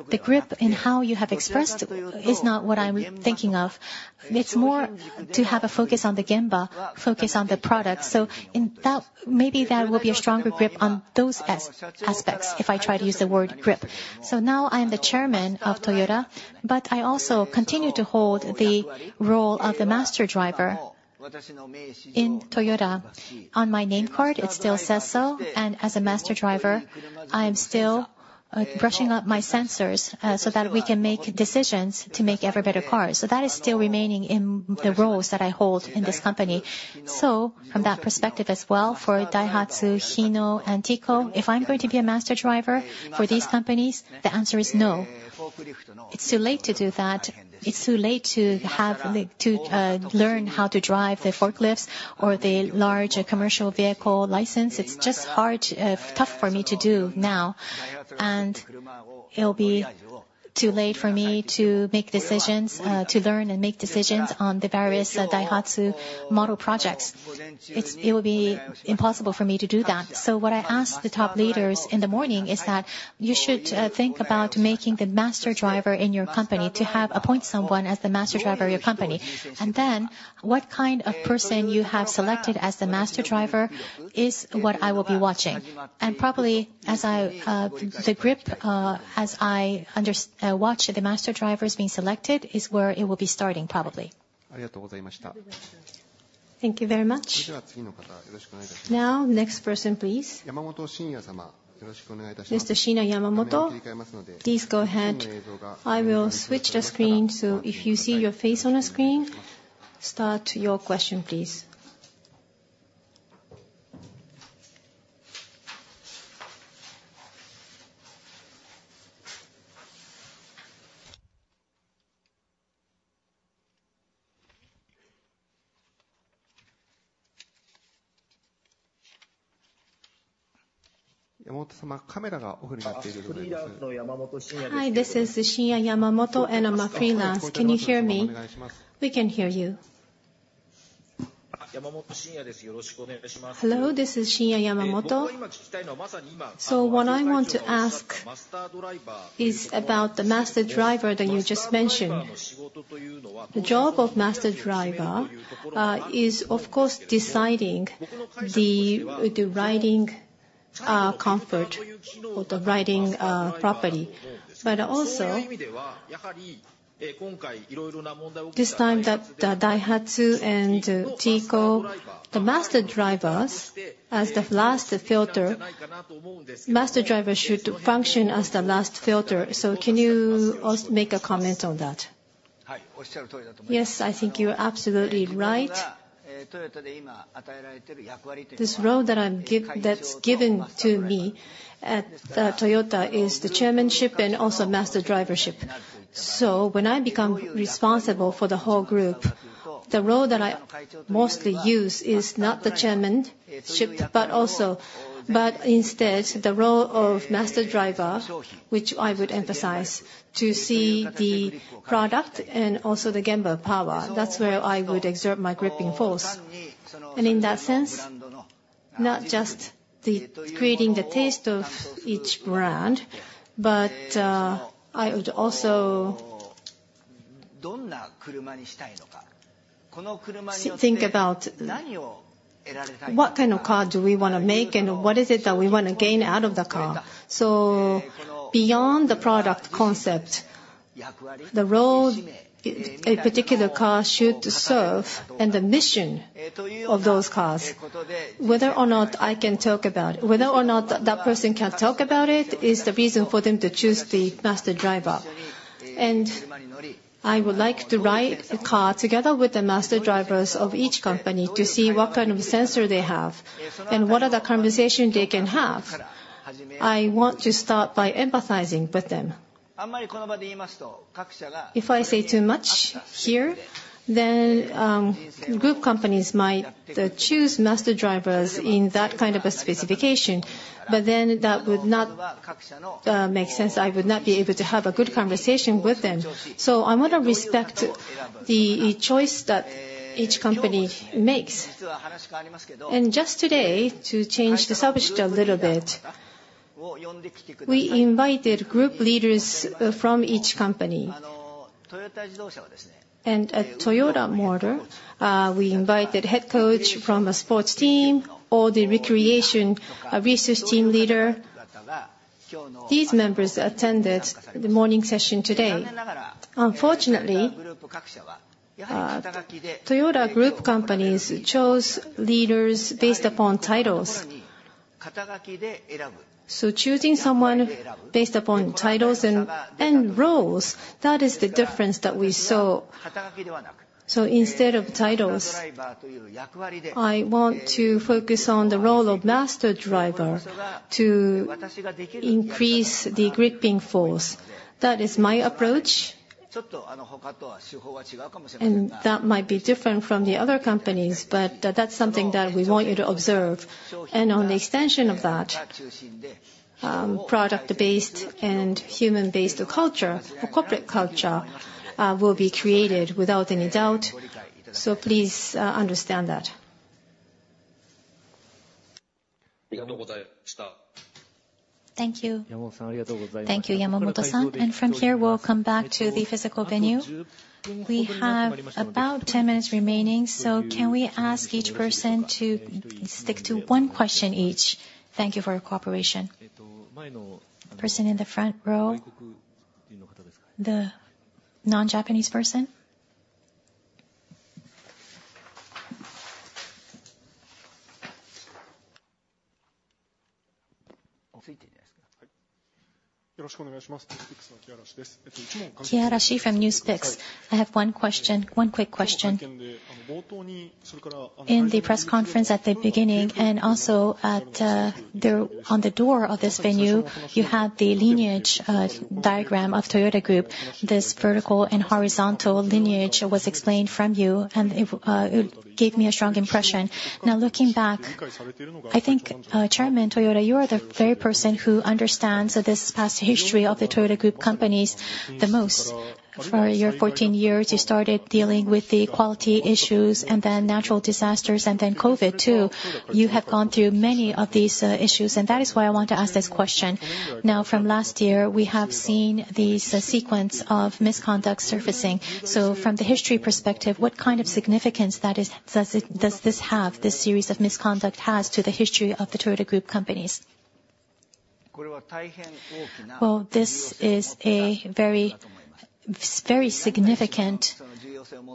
the grip and how you have expressed is not what I'm thinking of. It's more to have a focus on the Gemba, focus on the product. So in that, maybe there will be a stronger grip on those aspects if I try to use the word grip. So now I'm the chairman of Toyota, but I also continue to hold the role of the Master Driver in Toyota. On my name card, it still says so, and as a Master Driver, I'm still brushing up my sensors so that we can make decisions to make ever-better cars. So that is still remaining in the roles that I hold in this company. So from that perspective as well, for Daihatsu, Hino and Toyota Industries, if I'm going to be a Master Driver for these companies, the answer is no. It's too late to do that. It's too late to learn how to drive the forklifts or the large commercial vehicle license. It's just hard, tough for me to do now, and it'll be too late for me to make decisions, to learn and make decisions on the various Daihatsu model projects. It would be impossible for me to do that. So what I asked the top leaders in the morning is that you should think about making the Master Driver in your company, to have appoint someone as the Master Driver of your company. And then what kind of person you have selected as the Master Driver is what I will be watching. And probably, as I watch the Master Drivers being selected, is where it will be starting, probably. Thank you very much. Now, next person, please. Mr. Shinya Yamamoto, please go ahead. I will switch the screen, so if you see your face on the screen, start your question, please. Hi, this is Shinya Yamamoto, and I'm a freelance. Can you hear me? We can hear you. Hello, this is Shinya Yamamoto. What I want to ask is about the Master Driver that you just mentioned. ...The job of Master Driver is of course deciding the riding comfort or the riding property. But also, this time that the Daihatsu and Hino, the Master Drivers as the last filter, Master Driver should function as the last filter. So can you also make a comment on that? Yes, I think you're absolutely right. This role that's given to me at Toyota is the chairmanship and also Master Drivership. So when I become responsible for the whole group, the role that I mostly use is not the chairmanship, but also... But instead, the role of Master Driver, which I would emphasize, to see the product and also the Gemba power. That's where I would exert my gripping force. In that sense, not just the creating the taste of each brand, but I would also think about what kind of car do we wanna make, and what is it that we want to gain out of the car? So beyond the product concept, the role a particular car should serve and the mission of those cars, whether or not I can talk about it. Whether or not that person can talk about it, is the reason for them to choose the Master Driver. And I would like to ride a car together with the Master Drivers of each company, to see what kind of sensor they have, and what are the conversation they can have. I want to start by empathizing with them. If I say too much here, then, group companies might choose Master Drivers in that kind of a specification, but then that would not make sense. I would not be able to have a good conversation with them. So I want to respect the choice that each company makes. And just today, to change the subject a little bit, we invited group leaders from each company. And at Toyota Motor, we invited head coach from a sports team or the recreation research team leader. These members attended the morning session today. Unfortunately, Toyota Group companies chose leaders based upon titles. So choosing someone based upon titles and, and roles, that is the difference that we saw. So instead of titles, I want to focus on the role of Master Driver to increase the gripping force. That is my approach, and that might be different from the other companies, but that's something that we want you to observe. And on the extension of that, product-based and human-based culture or corporate culture will be created without any doubt. Please, understand that. Thank you. Thank you, Yamamoto-san. And from here, we'll come back to the physical venue. We have about 10 minutes remaining, so can we ask each person to stick to one question each? Thank you for your cooperation. Person in the front row, the non-Japanese person. Kiarashi from News Picks. I have one question, one quick question. In the press conference at the beginning, and also at, the, on the door of this venue, you had the lineage, diagram of Toyota Group. This vertical and horizontal lineage was explained from you, and it, it gave me a strong impression. Now, looking back, I think, Chairman Toyoda, you are the very person who understands this past history of the Toyota Group companies the most. For your 14 years, you started dealing with the quality issues, and then natural disasters, and then Covid, too. You have gone through many of these issues, and that is why I want to ask this question. Now, from last year, we have seen the sequence of misconduct surfacing. So from the history perspective, what kind of significance that is—does it, does this have, this series of misconduct has to the history of the Toyota Group companies? Well, this is a very, very significant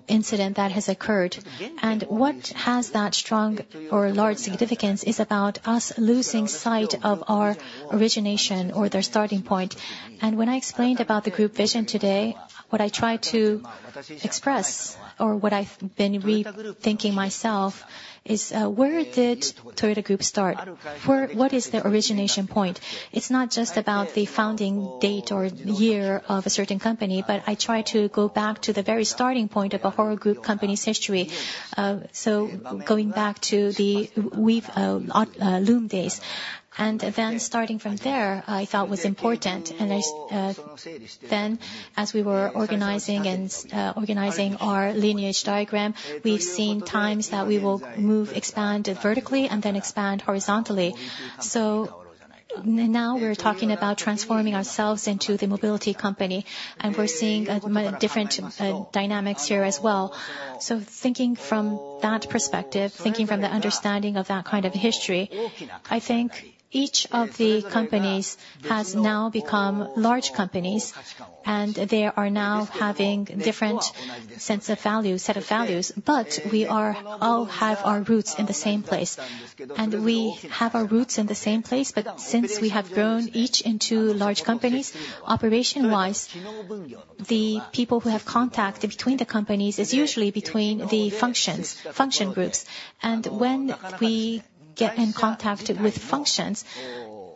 incident that has occurred, and what has that strong or large significance is about us losing sight of our origination or the starting point. When I explained about the group vision today, what I tried to express, or what I've been rethinking myself, is, where did Toyota Group start? Where, what is the origination point? It's not just about the founding date or year of a certain company, but I try to go back to the very starting point of the whole group company's history. So going back to the weave, loom days, and then starting from there, I felt was important. Then, as we were organizing and organizing our lineage diagram, we've seen times that we will move, expand vertically, and then expand horizontally. So-... now we're talking about transforming ourselves into the mobility company, and we're seeing different dynamics here as well. So thinking from that perspective, thinking from the understanding of that kind of history, I think each of the companies has now become large companies, and they are now having different sense of value, set of values. But we are all have our roots in the same place. And we have our roots in the same place, but since we have grown each into large companies, operation-wise, the people who have contact between the companies is usually between the functions, function groups. And when we get in contact with functions,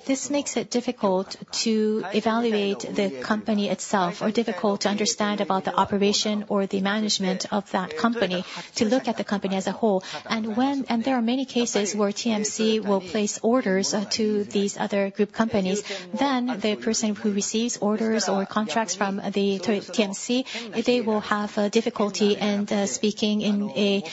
this makes it difficult to evaluate the company itself, or difficult to understand about the operation or the management of that company, to look at the company as a whole. And when... There are many cases where TMC will place orders to these other group companies, then the person who receives orders or contracts from the TMC, they will have difficulty in speaking in a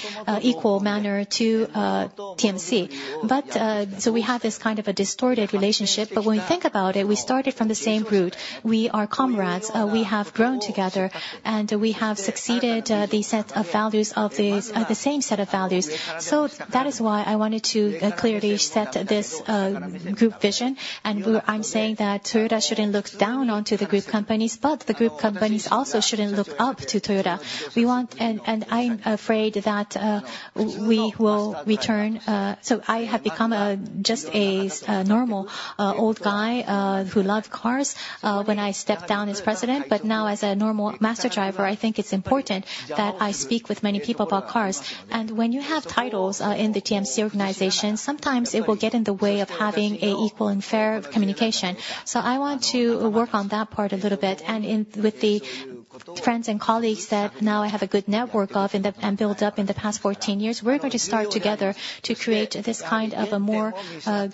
equal manner to TMC. But so we have this kind of a distorted relationship. But when we think about it, we started from the same root. We are comrades. We have grown together, and we have succeeded the set of values of these... the same set of values. So that is why I wanted to clearly set this group vision. And I'm saying that Toyota shouldn't look down onto the group companies, but the group companies also shouldn't look up to Toyota. We want... and I'm afraid that w- we will return... So I have become a just a normal old guy who loved cars when I stepped down as President. But now as a normal Master Driver, I think it's important that I speak with many people about cars. And when you have titles in the TMC organization, sometimes it will get in the way of having a equal and fair communication. So I want to work on that part a little bit, and with the friends and colleagues that now I have a good network of and built up in the past 14 years, we're going to start together to create this kind of a more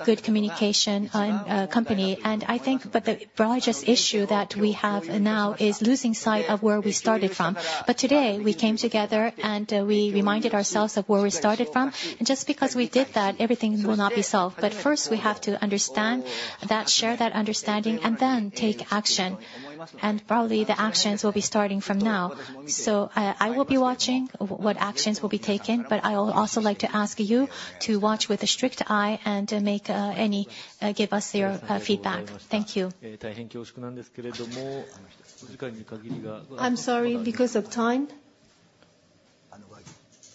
good communication on company. And I think, but the largest issue that we have now is losing sight of where we started from. Today, we came together and reminded ourselves of where we started from. Just because we did that, everything will not be solved. First, we have to understand that, share that understanding, and then take action. Probably, the actions will be starting from now. So, I will be watching what actions will be taken, but I will also like to ask you to watch with a strict eye and give us your feedback. Thank you. I'm sorry, because of time,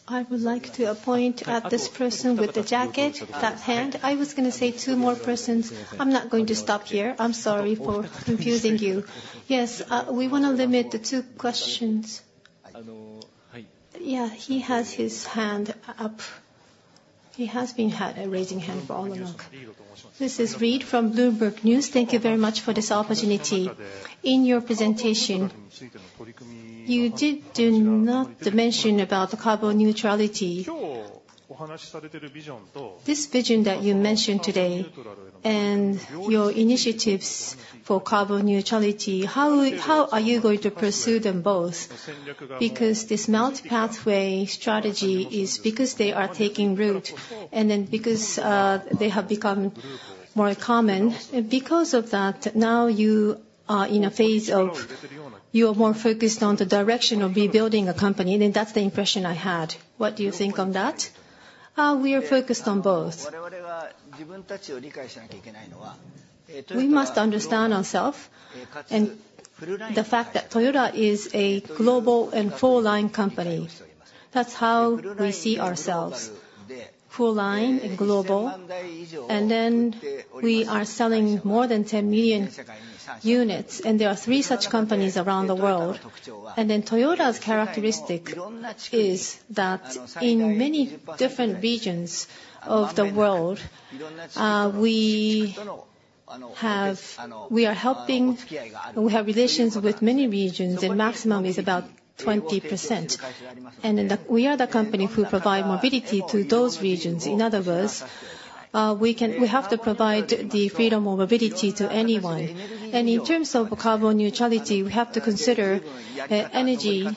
I would like to appoint at this person with the jacket, that hand. I was gonna say two more persons. I'm not going to stop here. I'm sorry for confusing you. Yes, we want to limit to two questions. Yeah, he has his hand up. He has been had a raising hand for all along. This is Reed from Bloomberg News. Thank you very much for this opportunity. In your presentation, you did do not mention about the carbon neutrality. This vision that you mentioned today and your initiatives for carbon neutrality, how will... how are you going to pursue them both? Because this Multi-Pathway strategy is because they are taking root, and then because, they have become more common. And because of that, now you are in a phase of, you are more focused on the direction of rebuilding a company, and that's the impression I had. What do you think on that? We are focused on both. We must understand ourself and the fact that Toyota is a global and full-line company. That's how we see ourselves, full-line and global. And then we are selling more than 10 million units, and there are three such companies around the world. And then Toyota's characteristic is that in many different regions of the world, we have relations with many regions, and maximum is about 20%. And then we are the company who provide mobility to those regions. In other words, we have to provide the freedom of mobility to anyone. And in terms of carbon neutrality, we have to consider energy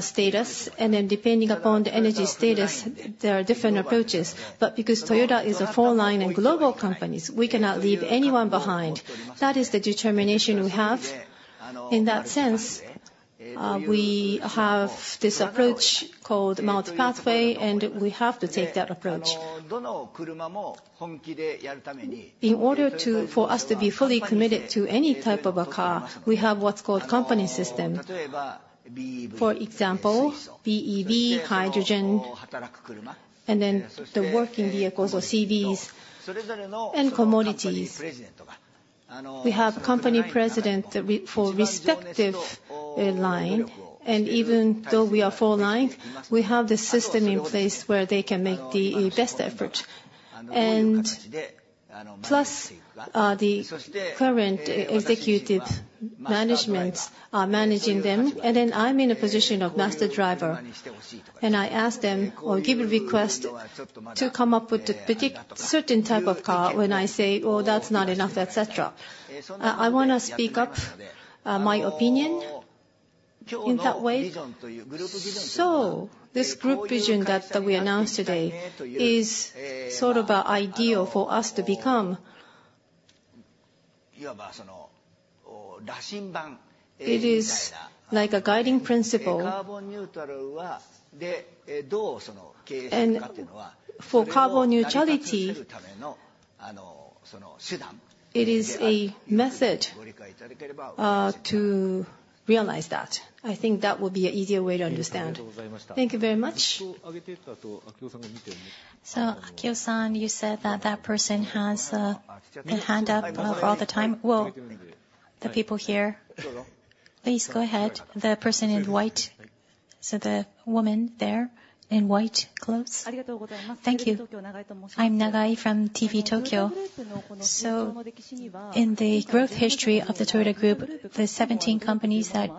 status, and then, depending upon the energy status, there are different approaches. But because Toyota is a full-line and global companies, we cannot leave anyone behind. That is the determination we have. In that sense, we have this approach called Multi-Pathway, and we have to take that approach. In order to, for us to be fully committed to any type of a car, we have what's called company system. For example, BEV, hydrogen, and then the working vehicles or CVs and commodities. We have company presidents for respective line, and even though we are full line, we have the system in place where they can make the best effort. And plus, the current executive managements are managing them, and then I'm in a position of Master Driver, and I ask them or give a request to come up with a certain type of car when I say, "Oh, that's not enough," et cetera. I want to speak up my opinion in that way? So this group vision that we announced today is sort of an ideal for us to become. It is like a guiding principle. For carbon neutrality - it is a method to realize that. I think that would be an easier way to understand. Thank you very much. So Akio-san, you said that that person has their hand up all the time. Well, the people here, please go ahead. The person in white, so the woman there in white clothes. Thank you. I'm Nagai from TV Tokyo. So in the growth history of the Toyota Group, the seventeen companies that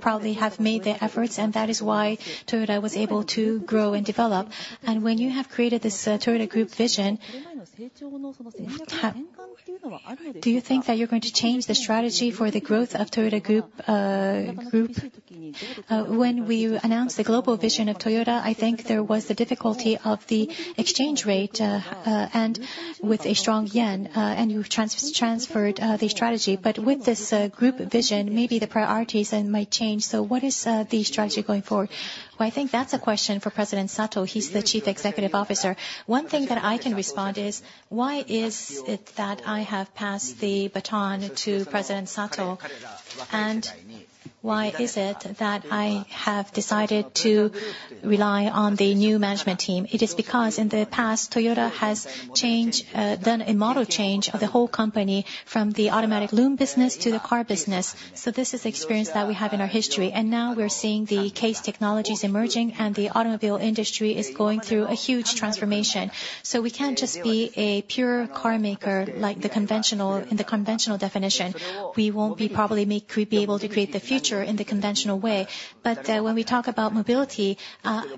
probably have made their efforts, and that is why Toyota was able to grow and develop. When you have created this Toyota Group vision, do you think that you're going to change the strategy for the growth of Toyota Group, Group? When we announced the global vision of Toyota, I think there was the difficulty of the exchange rate, and with a strong yen, and you transferred the strategy. But with this, group vision, maybe the priorities might change. So what is the strategy going forward? Well, I think that's a question for President Sato. He's the Chief Executive Officer. One thing that I can respond is, why is it that I have passed the baton to President Sato? And why is it that I have decided to rely on the new management team? It is because in the past, Toyota has changed, done a model change of the whole company from the automatic loom business to the car business. So this is the experience that we have in our history, and now we're seeing the CASE technologies emerging, and the automobile industry is going through a huge transformation. So we can't just be a pure carmaker, like the conventional... in the conventional definition. We won't probably be able to create the future in the conventional way. But, when we talk about mobility,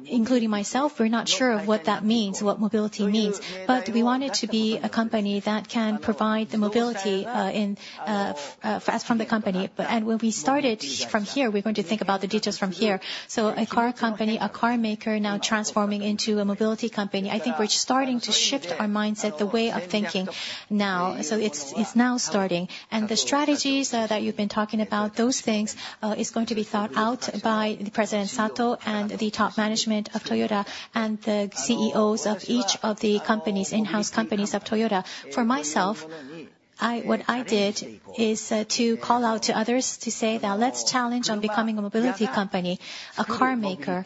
including myself, we're not sure of what that means, what mobility means. But we want it to be a company that can provide the mobility, in, as from the company. But... And when we started from here, we're going to think about the details from here. So a car company, a carmaker now transforming into a mobility company, I think we're starting to shift our mindset, the way of thinking now. So it's now starting. And the strategies that you've been talking about, those things, is going to be thought out by the President Sato and the top management of Toyota, and the CEOs of each of the companies, in-house companies of Toyota. For myself, I, what I did is, to call out to others to say that, "Let's challenge on becoming a mobility company," a carmaker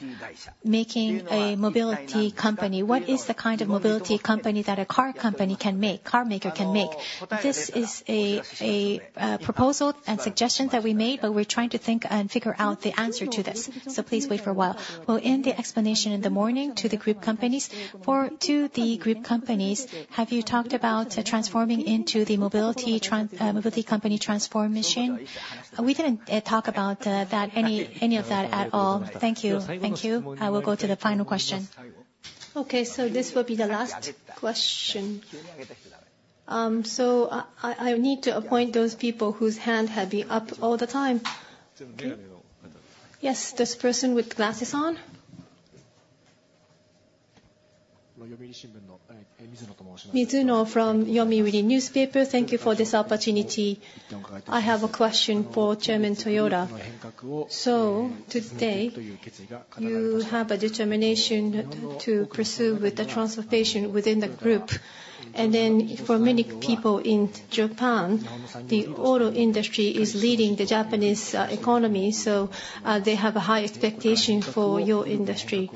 making a mobility company. What is the kind of mobility company that a car company can make, carmaker can make? This is a proposal and suggestions that we made, but we're trying to think and figure out the answer to this, so please wait for a while. Well, in the explanation in the morning to the group companies, to the group companies, have you talked about transforming into the mobility company transformation? We didn't talk about that, any of that at all. Thank you. Thank you. I will go to the final question. Okay, so this will be the last question. So I need to appoint those people whose hand have been up all the time. Yes, this person with glasses on. Mizuno from Yomiuri Newspaper. Thank you for this opportunity. I have a question for Chairman Toyoda. So today, you have a determination to pursue with the transportation within the group. And then for many people in Japan, the auto industry is leading the Japanese economy, so they have a high expectation for your industry.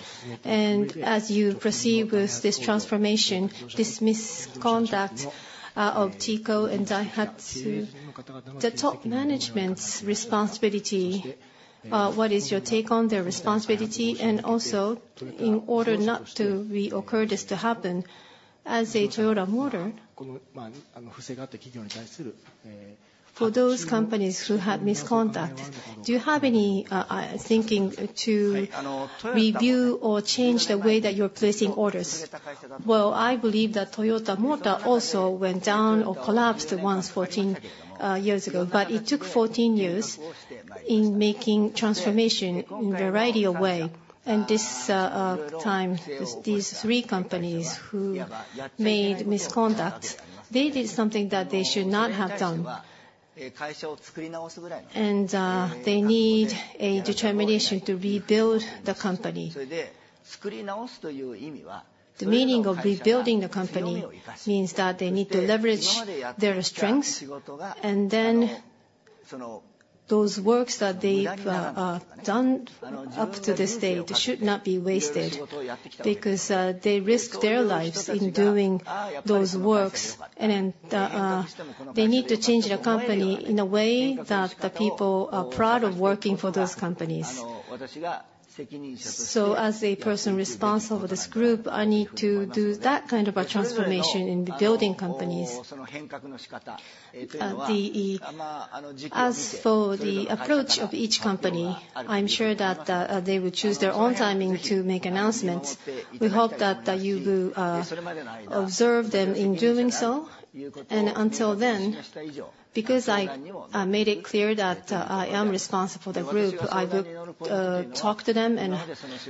And as you proceed with this transformation, this misconduct of Hino and Daihatsu, the top management's responsibility, what is your take on their responsibility? And also, in order not to reoccur this to happen, as a Toyota Motor for those companies who had misconduct, do you have any thinking to review or change the way that you're placing orders? Well, I believe that Toyota Motor also went down or collapsed once, 14 years ago. But it took 14 years in making transformation in variety of way. And this time, with these three companies who made misconduct, they did something that they should not have done. And they need a determination to rebuild the company. The meaning of rebuilding the company means that they need to leverage their strengths, and then those works that they've done up to this date should not be wasted. Because they risked their lives in doing those works, and they need to change the company in a way that the people are proud of working for those companies. …So as a person responsible for this group, I need to do that kind of a transformation in the building companies. As for the approach of each company, I'm sure that they will choose their own timing to make announcements. We hope that you will observe them in doing so. And until then, because I made it clear that I am responsible for the group, I will talk to them and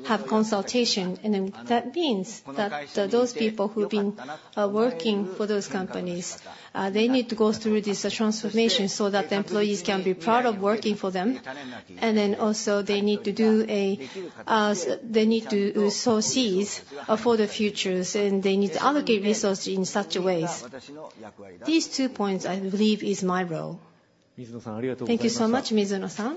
have consultation. And then that means that those people who've been working for those companies, they need to go through this transformation so that the employees can be proud of working for them. And then also they need to sow seeds for the futures, and they need to allocate resources in such a ways. These two points, I believe, is my role. Thank you so much, Mizuno-san.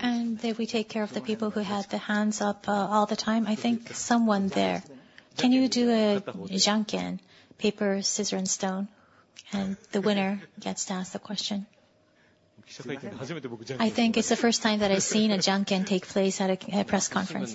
And then we take care of the people who had their hands up all the time. I think someone there. Can you do a janken? Paper, scissors, and stone, and the winner gets to ask the question. I think it's the first time that I've seen a janken take place at a press conference.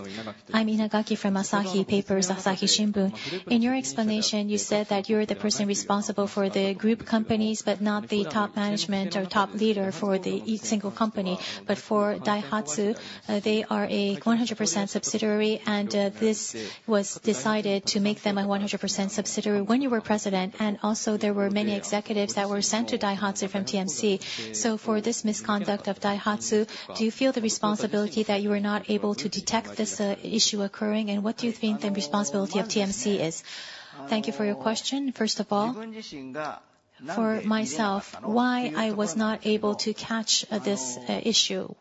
I'm Inagaki from Asahi Shimbun. In your explanation, you said that you're the person responsible for the group companies, but not the top management or top leader for the each single company. But for Daihatsu, they are a 100% subsidiary, and this was decided to make them a 100% subsidiary when you were president. And also, there were many executives that were sent to Daihatsu from TMC. So for this misconduct of Daihatsu, do you feel the responsibility that you were not able to detect this issue occurring? And what do you think the responsibility of TMC is? Thank you for your question. First of all, for myself, why I was not able to catch this issue?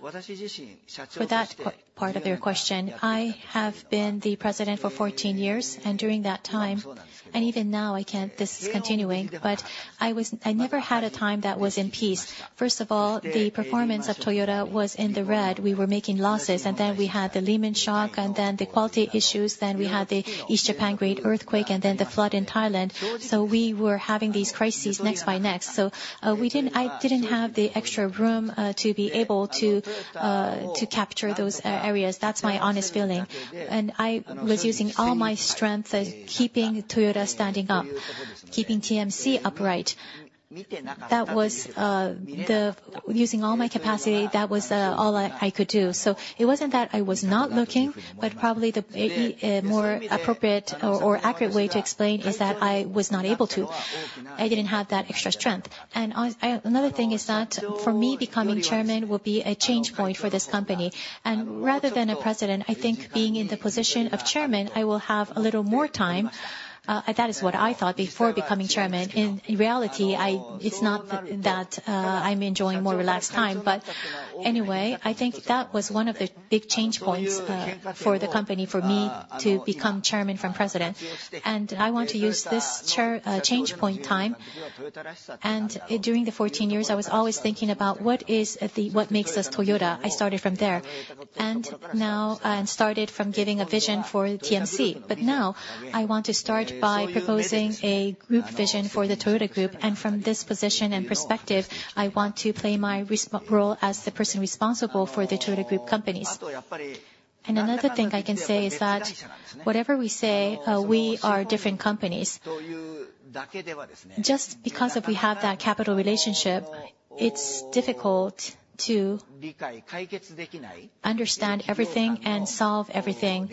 For that part, part of your question, I have been the President for 14 years, and during that time, and even now, I can't... This is continuing, but I was—I never had a time that was in peace. First of all, the performance of Toyota was in the red. We were making losses, and then we had the Lehman shock, and then the quality issues, then we had the East Japan great earthquake, and then the flood in Thailand. So we were having these crises next by next. So, we didn't, I didn't have the extra room to be able to to capture those areas. That's my honest feeling. And I was using all my strength at keeping Toyota standing up, keeping TMC upright. That was the... Using all my capacity, that was all I, I could do. So it wasn't that I was not looking, but probably the more appropriate or, or accurate way to explain is that I was not able to. I didn't have that extra strength. And another thing is that for me, becoming chairman will be a change point for this company. And rather than a president, I think being in the position of chairman, I will have a little more time. That is what I thought before becoming chairman. In, in reality, I... It's not that I'm enjoying more relaxed time. But anyway, I think that was one of the big change points for the company, for me to become chairman from president. And I want to use this chair change point time. And during the 14 years, I was always thinking about what makes us Toyota? I started from there. And now I started from giving a vision for TMC, but now I want to start by proposing a group vision for the Toyota Group. And from this position and perspective, I want to play my role as the person responsible for the Toyota Group companies. And another thing I can say is that whatever we say, we are different companies. Just because if we have that capital relationship, it is difficult to understand everything and solve everything.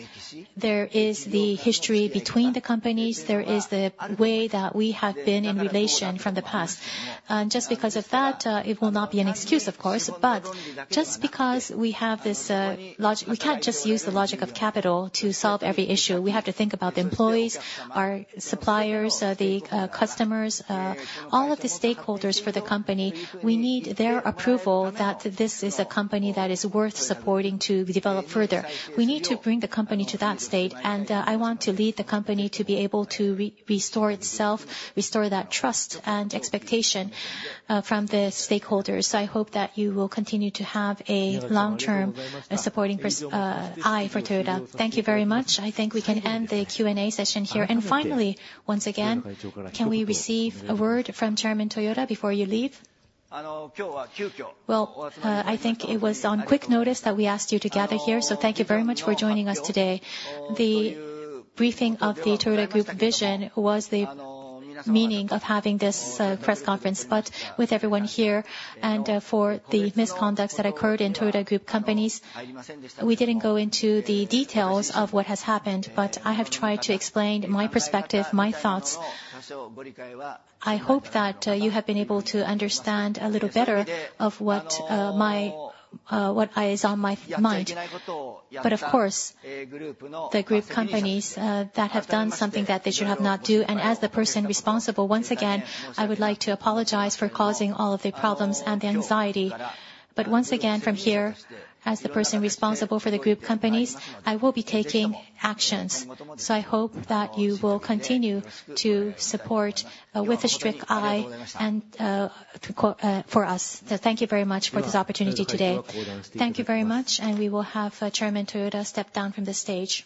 There is the history between the companies. There is the way that we have been in relation from the past. And just because of that, it will not be an excuse, of course, but just because we have this, logic, we can't just use the logic of capital to solve every issue. We have to think about the employees, our suppliers, the, customers, all of the stakeholders for the company. We need their approval that this is a company that is worth supporting to develop further. We need to bring the company to that state, and, I want to lead the company to be able to restore itself, restore that trust and expectation, from the stakeholders. So I hope that you will continue to have a long-term, supporting perspective for Toyota. Thank you very much. I think we can end the Q&A session here. Finally, once again, can we receive a word from Chairman Toyoda before you leave? Well, I think it was on quick notice that we asked you to gather here, so thank you very much for joining us today. The briefing of the Toyota Group vision was the meaning of having this press conference. But with everyone here, and for the misconducts that occurred in Toyota Group companies, we didn't go into the details of what has happened, but I have tried to explain my perspective, my thoughts. I hope that you have been able to understand a little better of what my what is on my mind. But of course, the group companies that have done something that they should have not do, and as the person responsible, once again, I would like to apologize for causing all of the problems and the anxiety. But once again, from here, as the person responsible for the group companies, I will be taking actions. So I hope that you will continue to support with a strict eye and for us. Thank you very much for this opportunity today. Thank you very much, and we will have Chairman Toyoda step down from the stage.